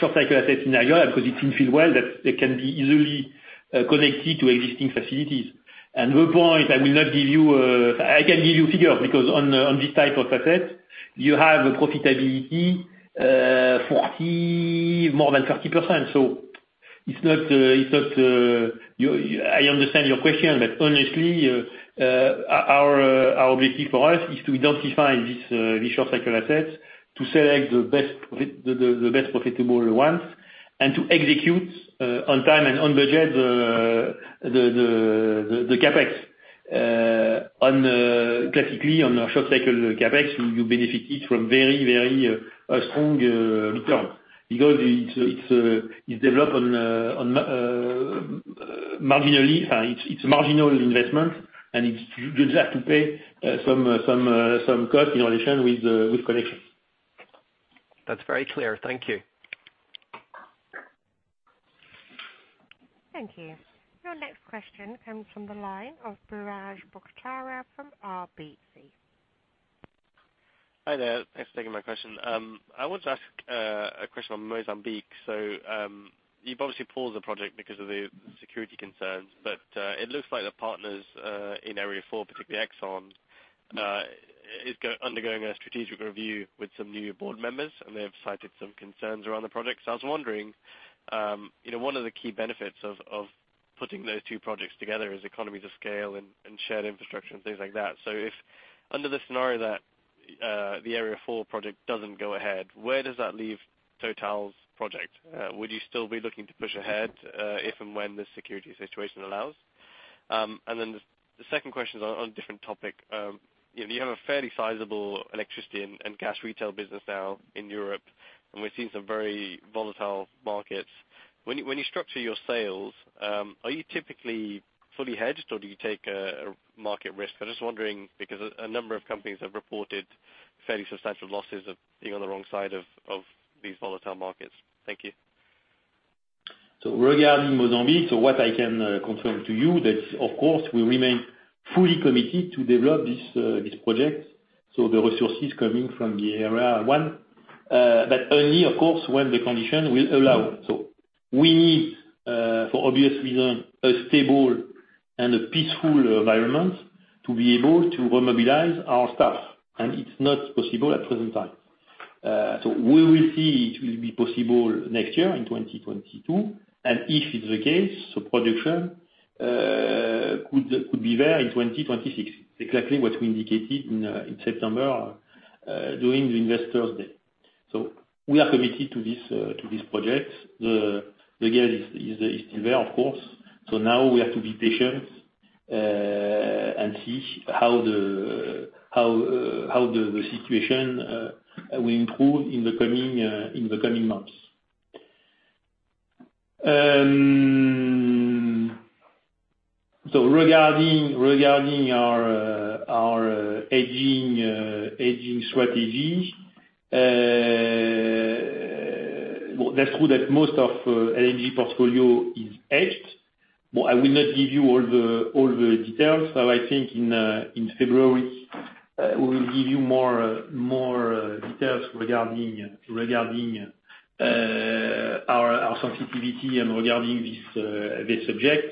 short cycle assets in Nigeria because it's in field oil that can be easily connected to existing facilities. The point I will not give you, I can give you figures because on this type of asset, you have a profitability 40, more than 30%. I understand your question, but honestly, our objective for us is to identify these short cycle assets, to select the best profitable ones, and to execute on time and on budget the CapEx. Classically on a short cycle CapEx, you benefit from a very strong return because it's developed on marginal investment, and you just have to pay some cost in relation with connections. That's very clear. Thank you. Thank you. Your next question comes from the line of Biraj Borkhataria from RBC. Hi there. Thanks for taking my question. I want to ask a question on Mozambique. You've obviously paused the project because of the security concerns, but it looks like the partners in Area 4, particularly ExxonMobil, is undergoing a strategic review with some new board members, and they have cited some concerns around the project. I was wondering, you know, one of the key benefits of putting those two projects together is economies of scale and shared infrastructure and things like that. If under the scenario that the Area 4 project doesn't go ahead, where does that leave Total's project? Would you still be looking to push ahead if and when the security situation allows? And then the second question is on a different topic. You know, you have a fairly sizable electricity and gas retail business now in Europe, and we've seen some very volatile markets. When you structure your sales, are you typically fully hedged or do you take a market risk? I'm just wondering because a number of companies have reported fairly substantial losses of being on the wrong side of these volatile markets. Thank you. Regarding Mozambique, what I can confirm to you is that of course we remain fully committed to develop this project. The resources coming from Area 1, but only of course when the condition will allow. We need for obvious reason a stable and a peaceful environment to be able to remobilize our staff, and it's not possible at present time. We will see if it will be possible next year in 2022. If it's the case, production could be there in 2026, exactly what we indicated in September during the Investor Day. We are committed to this project. The gas is still there, of course. Now we have to be patient and see how the situation will improve in the coming months. Regarding our hedging strategy, well, that's true that most of LNG portfolio is hedged. I will not give you all the details. I think in February we will give you more details regarding our sensitivity and regarding this subject.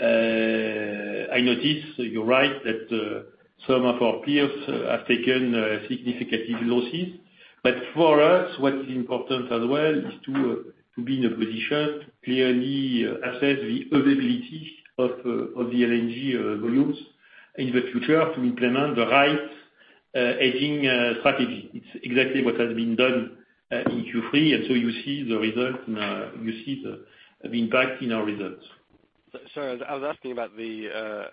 I notice, you're right, that some of our peers have taken significant losses, but for us, what's important as well is to be in a position to clearly assess the availability of the LNG volumes in the future to implement the right hedging strategy. It's exactly what has been done in Q3, and so you see the impact in our results. Sir, I was asking about the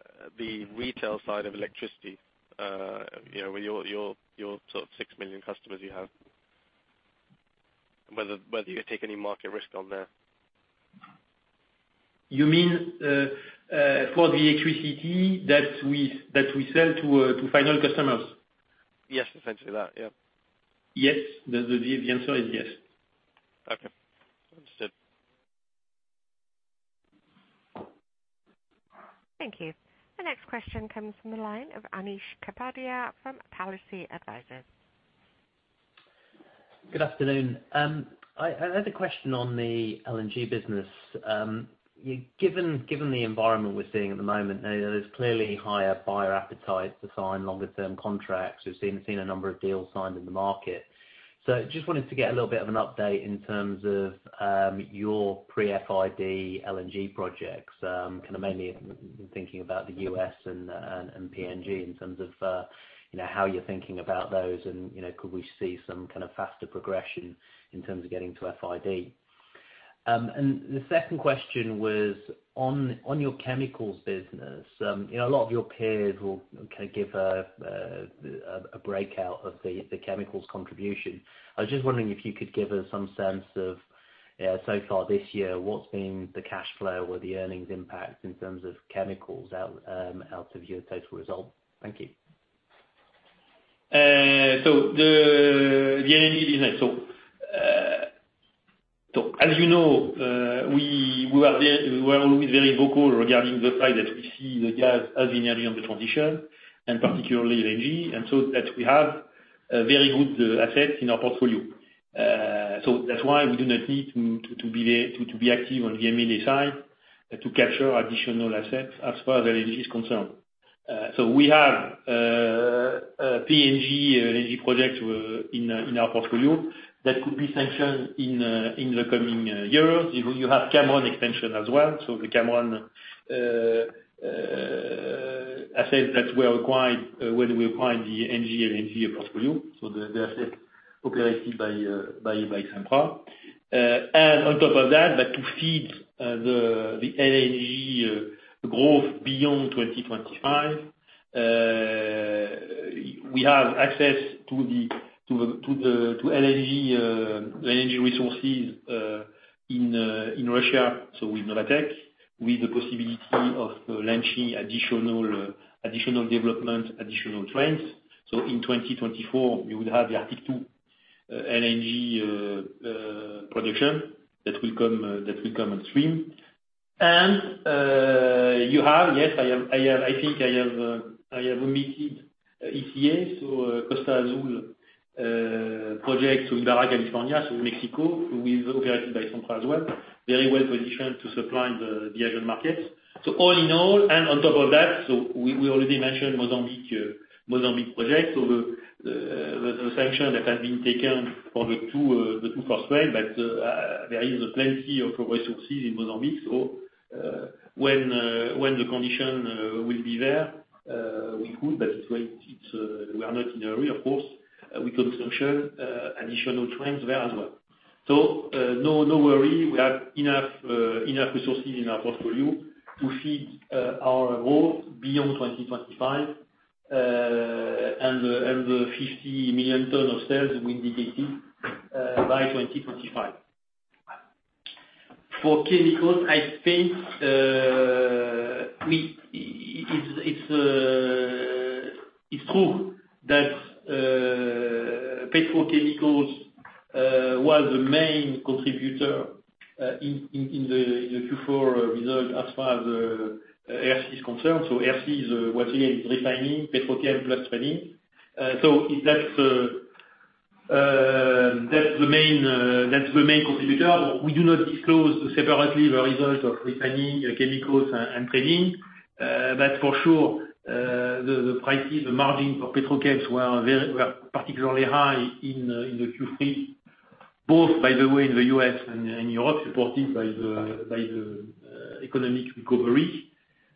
retail side of electricity, you know, with your sort of 6 million customers you have, whether you take any market risk on there. You mean, for the electricity that we sell to final customers? Yes, essentially that, yeah. Yes. The answer is yes. Okay. Understood. Thank you. The next question comes from the line of Anish Kapadia from Pallasite Ventures. Good afternoon. I had a question on the LNG business. Given the environment we're seeing at the moment, I know there's clearly higher buyer appetite to sign longer term contracts. We've seen a number of deals signed in the market. Just wanted to get a little bit of an update in terms of your pre-FID LNG projects, kind of mainly thinking about the US and PNG in terms of you know, how you're thinking about those and, you know, could we see some kind of faster progression in terms of getting to FID? And the second question was on your chemicals business, you know, a lot of your peers will give a breakout of the chemicals contribution. I was just wondering if you could give us some sense of, so far this year, what's been the cash flow or the earnings impact in terms of chemicals out of your total result? Thank you. The energy business. As you know, we are always very vocal regarding the fact that we see the gas as an area of the transition, and particularly LNG. We have very good assets in our portfolio. That's why we do not need to be active on the M&A side to capture additional assets as far as LNG is concerned. We have PNG LNG project in our portfolio that could be sanctioned in the coming years. You have Cameron extension as well. The Cameron asset that we acquired when we acquired the Engie LNG portfolio, the asset operated by Sempra. On top of that, to feed the LNG growth beyond 2025, we have access to the LNG resources in Russia, so with Novatek, with the possibility of launching additional development, additional trains. In 2024 we would have the Arctic LNG 2 production that will come on stream. I have omitted ECA, so Costa Azul project in Baja California, Mexico, who is operated by Sempra as well, very well positioned to supply the Asian markets. All in all, we already mentioned Mozambique project. The sanction that has been taken for the two first trains, but there is plenty of resources in Mozambique. When the condition will be there, we are not in a hurry, of course, we could sanction additional trains there as well. No worry, we have enough resources in our portfolio to feed our growth beyond 2025, and the 50 million tons of sales we indicated by 2025. For chemicals, I think, it's true that petrochemicals was the main contributor in the Q4 results as far as R&C is concerned. R&C is what we are refining, petrochemicals plus trading. That's the main contributor. We do not disclose separately the results of refining & chemicals and trading. For sure, the prices, the margin for petrochemicals were particularly high in the Q3, both by the way in the U.S. and Europe, supported by the economic recovery,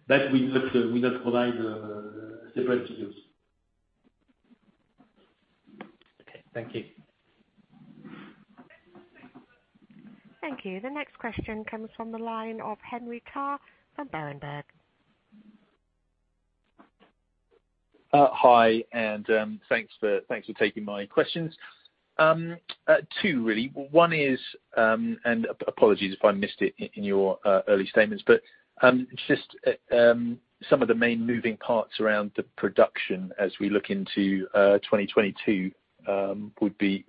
but we do not provide separate figures. Okay. Thank you. Thank you. The next question comes from the line of Henry Tarr from Berenberg. Hi, and thanks for taking my questions. Two really. One is, and apologies if I missed it in your early statements, but just some of the main moving parts around the production as we look into 2022 would be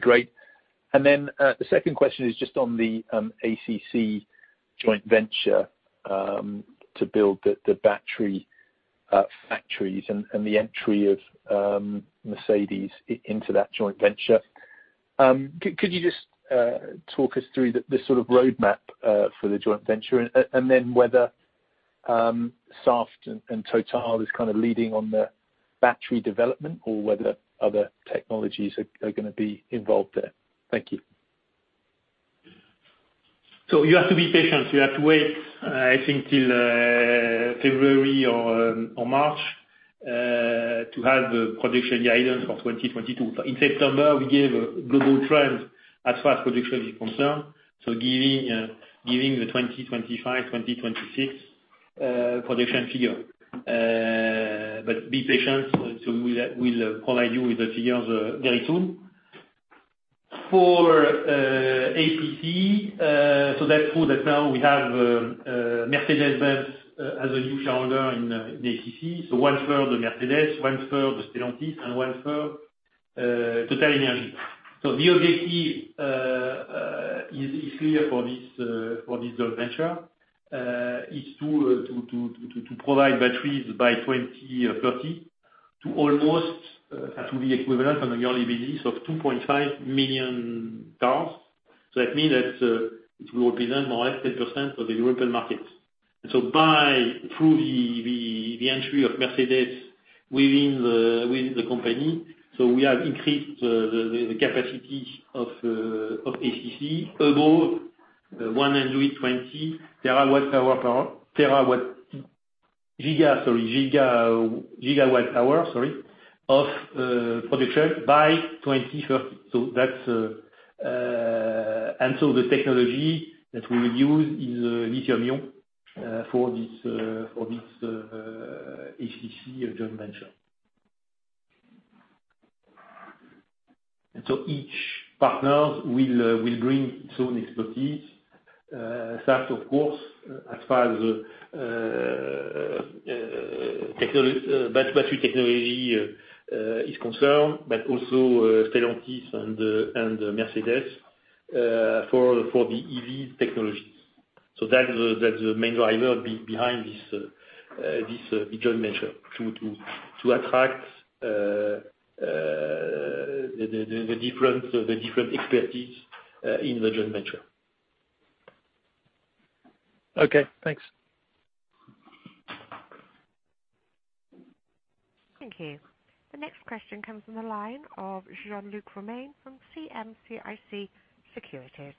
great. The second question is just on the ACC joint venture to build the battery factories and the entry of Mercedes into that joint venture. Could you just talk us through the sort of roadmap for the joint venture and then whether Saft and Total is kind of leading on the battery development or whether other technologies are gonna be involved there? Thank you. You have to be patient. You have to wait, I think till February or March to have the production guidance for 2022. In September, we gave global trends as far as production is concerned, giving the 2025, 2026 production figure. But be patient, we'll provide you with the figures very soon. For ACC, that's true that now we have Mercedes-Benz as a new shareholder in ACC. One third of Mercedes, one third of Stellantis, and one third TotalEnergies. The objective is clear for this joint venture. It's to provide batteries by 2030 to almost have to be equivalent on a yearly basis of 2.5 million cars. That means that it will represent more or less 10% of the European market. By improving the entry of Mercedes within the company, we have increased the capacity of ACC above 120 GWh of production by 2030. The technology that we will use is lithium-ion for this ACC joint venture. Each partner will bring its own expertise. Saft of course, as far as battery technology is concerned, but also Stellantis and Mercedes for the EV technologies. That is the main driver behind this joint venture to attract the different expertise in the joint venture. Okay, thanks. Thank you. The next question comes from the line of Jean-Luc Romain from CM-CIC Securities.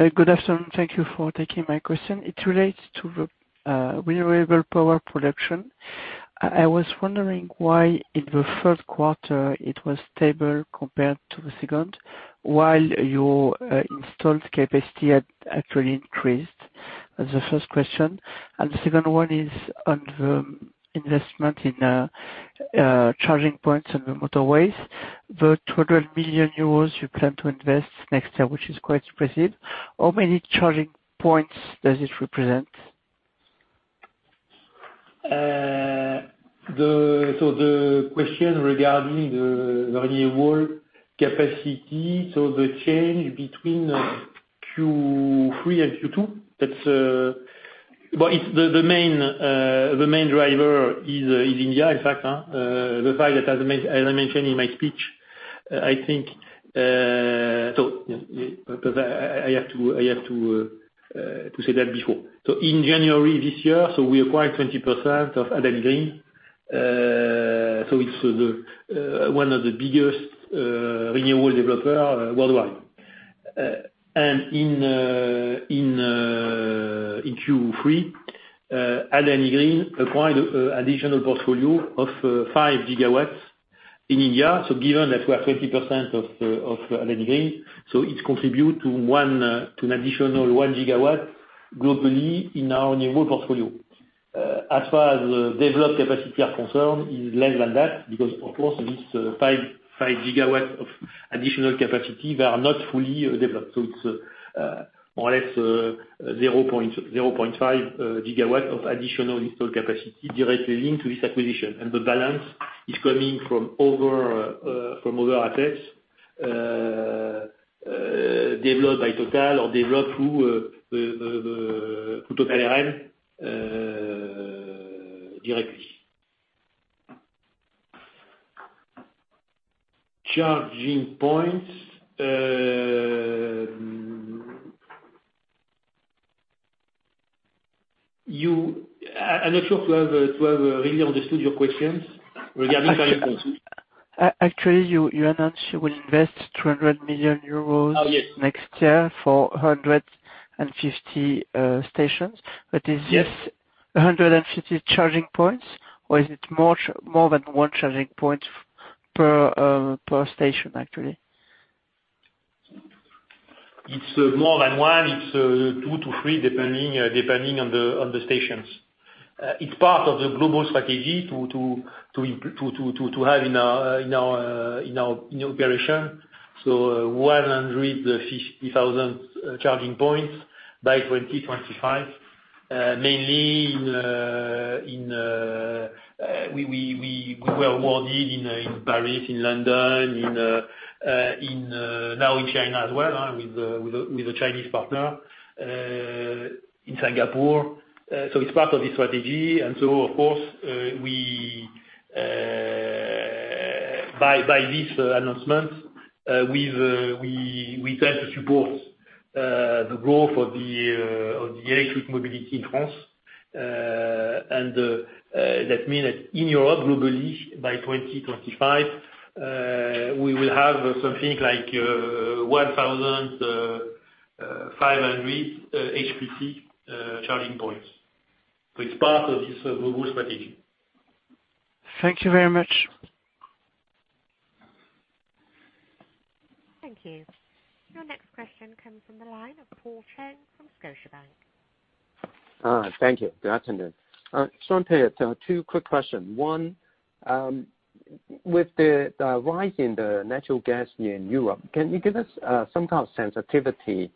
Good afternoon. Thank you for taking my question. It relates to the renewable power production. I was wondering why in the first quarter it was stable compared to the second, while your installed capacity had actually increased? That's the first question. The second one is on the investment in charging points on the motorways. The 200 million euros you plan to invest next year, which is quite impressive, how many charging points does this represent? The question regarding the annual capacity, the change between Q3 and Q2, that's well, it's the main driver is India, in fact, the fact that as I mentioned in my speech, I think, yeah, because I have to say that before. In January this year, we acquired 20% of Adani Green. It's one of the biggest renewable developers worldwide. In Q3, Adani Green acquired additional portfolio of 5 GW in India. Given that we have 20% of Adani Green, it contributes to an additional 1 GW globally in our renewable portfolio. As far as the developed capacity are concerned, it's less than that, because of course this 5 GW of additional capacity, they are not fully developed. It's more or less 0.5 GW of additional installed capacity directly linked to this acquisition. The balance is coming from other assets developed by Total or developed directly. Charging points. I'm not sure to have really understood your questions regarding charging points. Actually, you announced you will invest 200 million euros. Oh, yes. next year for 150 stations. Is this Yes. 150 charging points, or is it more than one charging point per station, actually? It's more than one. It's 2-3 depending on the stations. It's part of the global strategy to have in our operation 150,000 charging points by 2025, mainly in. We were awarded in Paris, in London, now in China as well, with a Chinese partner, in Singapore. It's part of the strategy. Of course, by this announcement, we start to support the growth of the electric mobility in France. that means that in Europe globally by 2025, we will have something like 1,500 HPC charging points. It's part of this global strategy. Thank you very much. Thank you. Your next question comes from the line of Paul Cheng from Scotiabank. Thank you. Good afternoon. Jean-Pierre, two quick questions. One, with the rise in the natural gas in Europe, can you give us some kind of sensitivity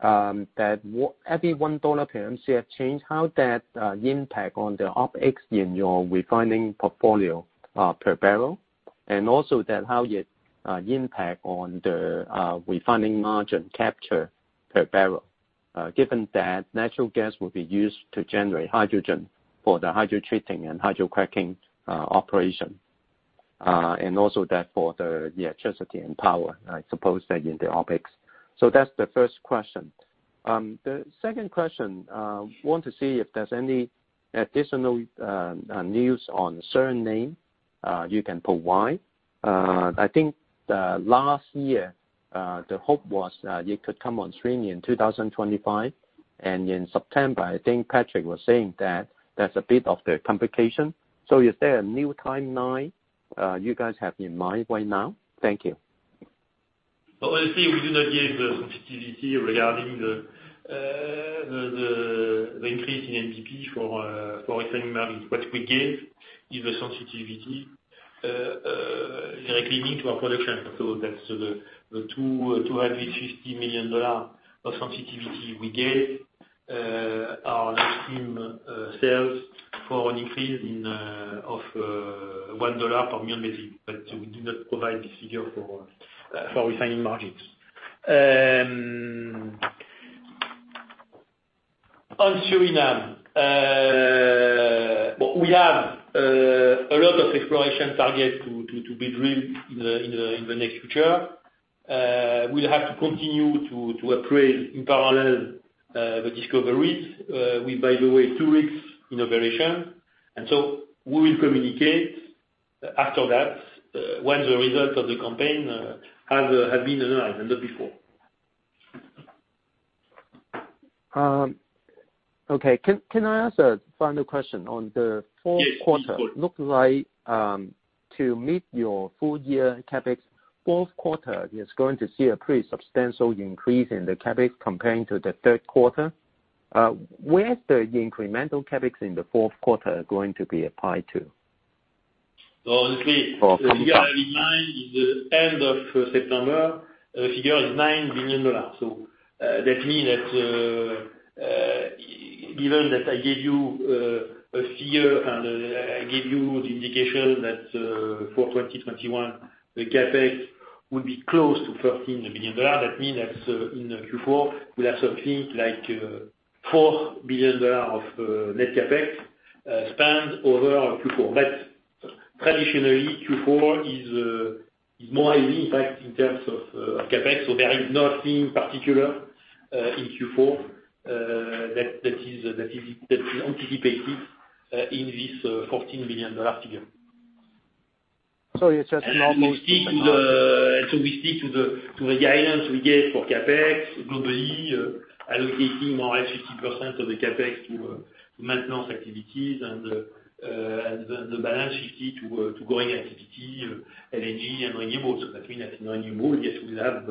that every $1 per MCF change, how that impact on the OpEx in your refining portfolio per barrel? Also how it impact on the refining margin capture per barrel, given that natural gas will be used to generate hydrogen for the hydrotreating and hydrocracking operation, and also that for the electricity and power, I suppose that in the OpEx. That's the first question. The second question, I want to see if there's any additional news on suriname you can provide. I think the last year, the hope was, you could come on stream in 2025, and in September, I think Patrick was saying that there's a bit of the complication. Is there a new timeline, you guys have in mind right now? Thank you. Obviously, we do not give the sensitivity regarding the increase in MVP for refining margin. What we give is the sensitivity directly linked to our production. That's the $250 million of sensitivity we gave our downstream sales for an increase of $1 per million BTU, but we do not provide this figure for refining margins. On Suriname, we have a lot of exploration targets to be drilled in the near future. We'll have to continue to appraise in parallel the discoveries with, by the way, two rigs in operation. We will communicate after that when the results of the campaign have been analyzed and thereafter. Okay. Can I ask a final question on the fourth quarter? Yes, please go ahead. Looks like, to meet your full year CapEx, fourth quarter is going to see a pretty substantial increase in the CapEx comparing to the third quarter. Where is the incremental CapEx in the fourth quarter going to be applied to? Obviously. For comparison. The figure I have in mind is the end of September. The figure is $9 billion. That mean that, given that I gave you a figure and I gave you the indication that, for 2021, the CapEx will be close to $13 billion, that mean that in Q4, we'll have something like $4 billion dollar of net CapEx spent over Q4. Traditionally, Q4 is more heavy in fact in terms of CapEx. There is nothing particular in Q4 that is anticipated in this $14 billion dollar figure. You're saying it's almost. We stick to the guidance we gave for CapEx globally, allocating more or less 50% of the CapEx to maintenance activities and the balance 50 to growing activity, LNG and renewable. That mean that in renewable, yes, we have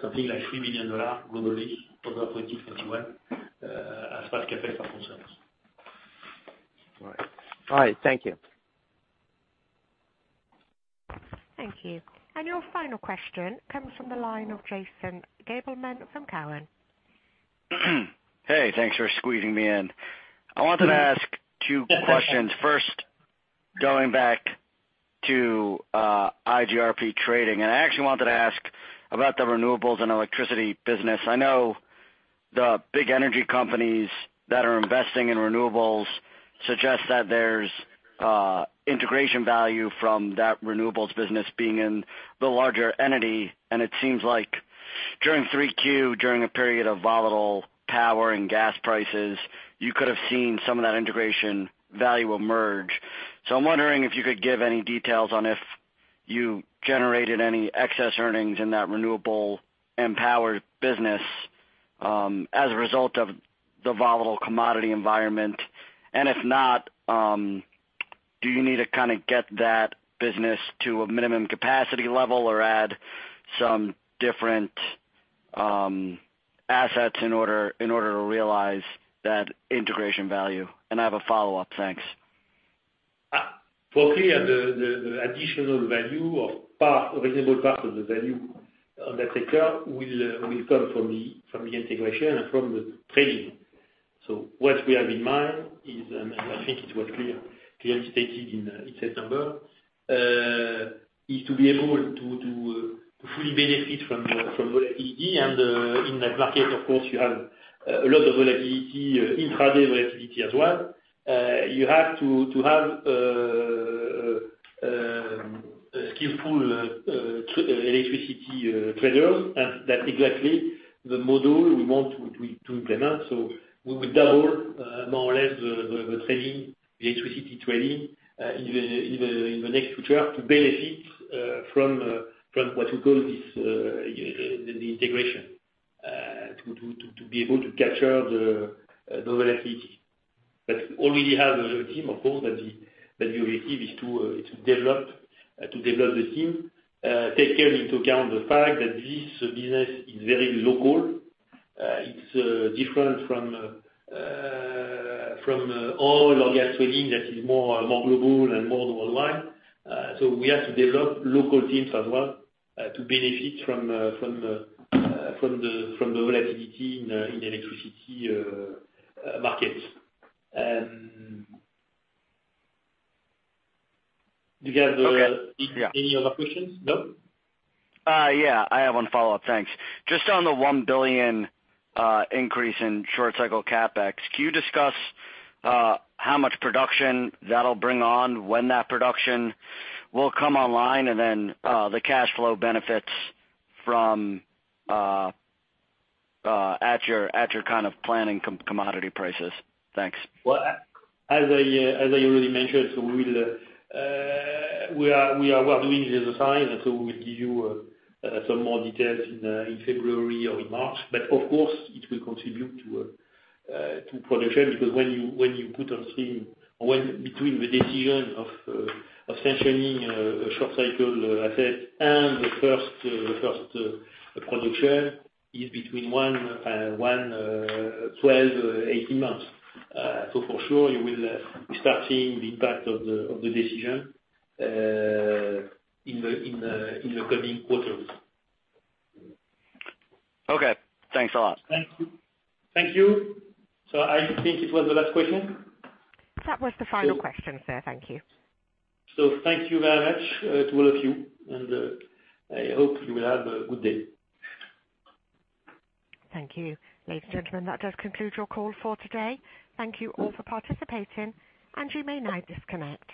something like $3 billion globally over 2021, as far as CapEx are concerned. All right. Thank you. Thank you. Your final question comes from the line of Jason Gabelman from Cowen. Hey, thanks for squeezing me in. Yes, absolutely. I wanted to ask two quick questions. First, going back to iGRP, and I actually wanted to ask about the renewables and electricity business. I know the big energy companies that are investing in renewables suggest that there's integration value from that renewables business being in the larger entity, and it seems like during 3Q, during a period of volatile power and gas prices, you could have seen some of that integration value emerge. I'm wondering if you could give any details on if you generated any excess earnings in that renewable and power business as a result of the volatile commodity environment. If not, do you need to kind of get that business to a minimum capacity level or add some different assets in order to realize that integration value? I have a follow-up. Thanks. For clarity, the additional value, reasonable part of the value in that sector, will come from the integration and from the trading. What we have in mind is, and I think it was clearly stated in September, is to be able to fully benefit from the volatility. In that market, of course, you have a lot of volatility, intraday volatility as well. You have to have a skillful electricity trader. That's exactly the model we want to implement. We will double, more or less, the electricity trading in the near future to benefit from what you call the integration. To be able to capture the volatility. We already have a team, of course, that we have is to develop the team. Take into account the fact that this business is very local. It's different from oil or gasoline that is more global and more worldwide. We have to develop local teams as well to benefit from the volatility in electricity markets. Do you have Okay. Yeah. Any other questions? Bill? Yeah. I have one follow-up. Thanks. Just on the $1 billion increase in short cycle CapEx, can you discuss how much production that'll bring on, when that production will come online, and then the cash flow benefits from at your kind of planning commodity prices? Thanks. As I already mentioned, we are well doing the design, and we'll give you some more details in February or in March. Of course, it will contribute to production. Because when you put on stream, between the decision of sanctioning short cycle assets and the first production is between 12-18 months. For sure you will start seeing the impact of the decision in the coming quarters. Okay. Thanks a lot. Thank you. Thank you. I think it was the last question. That was the final question, sir. Thank you. Thank you very much to all of you, and I hope you will have a good day. Thank you. Ladies and gentlemen, that does conclude your call for today. Thank you all for participating, and you may now disconnect.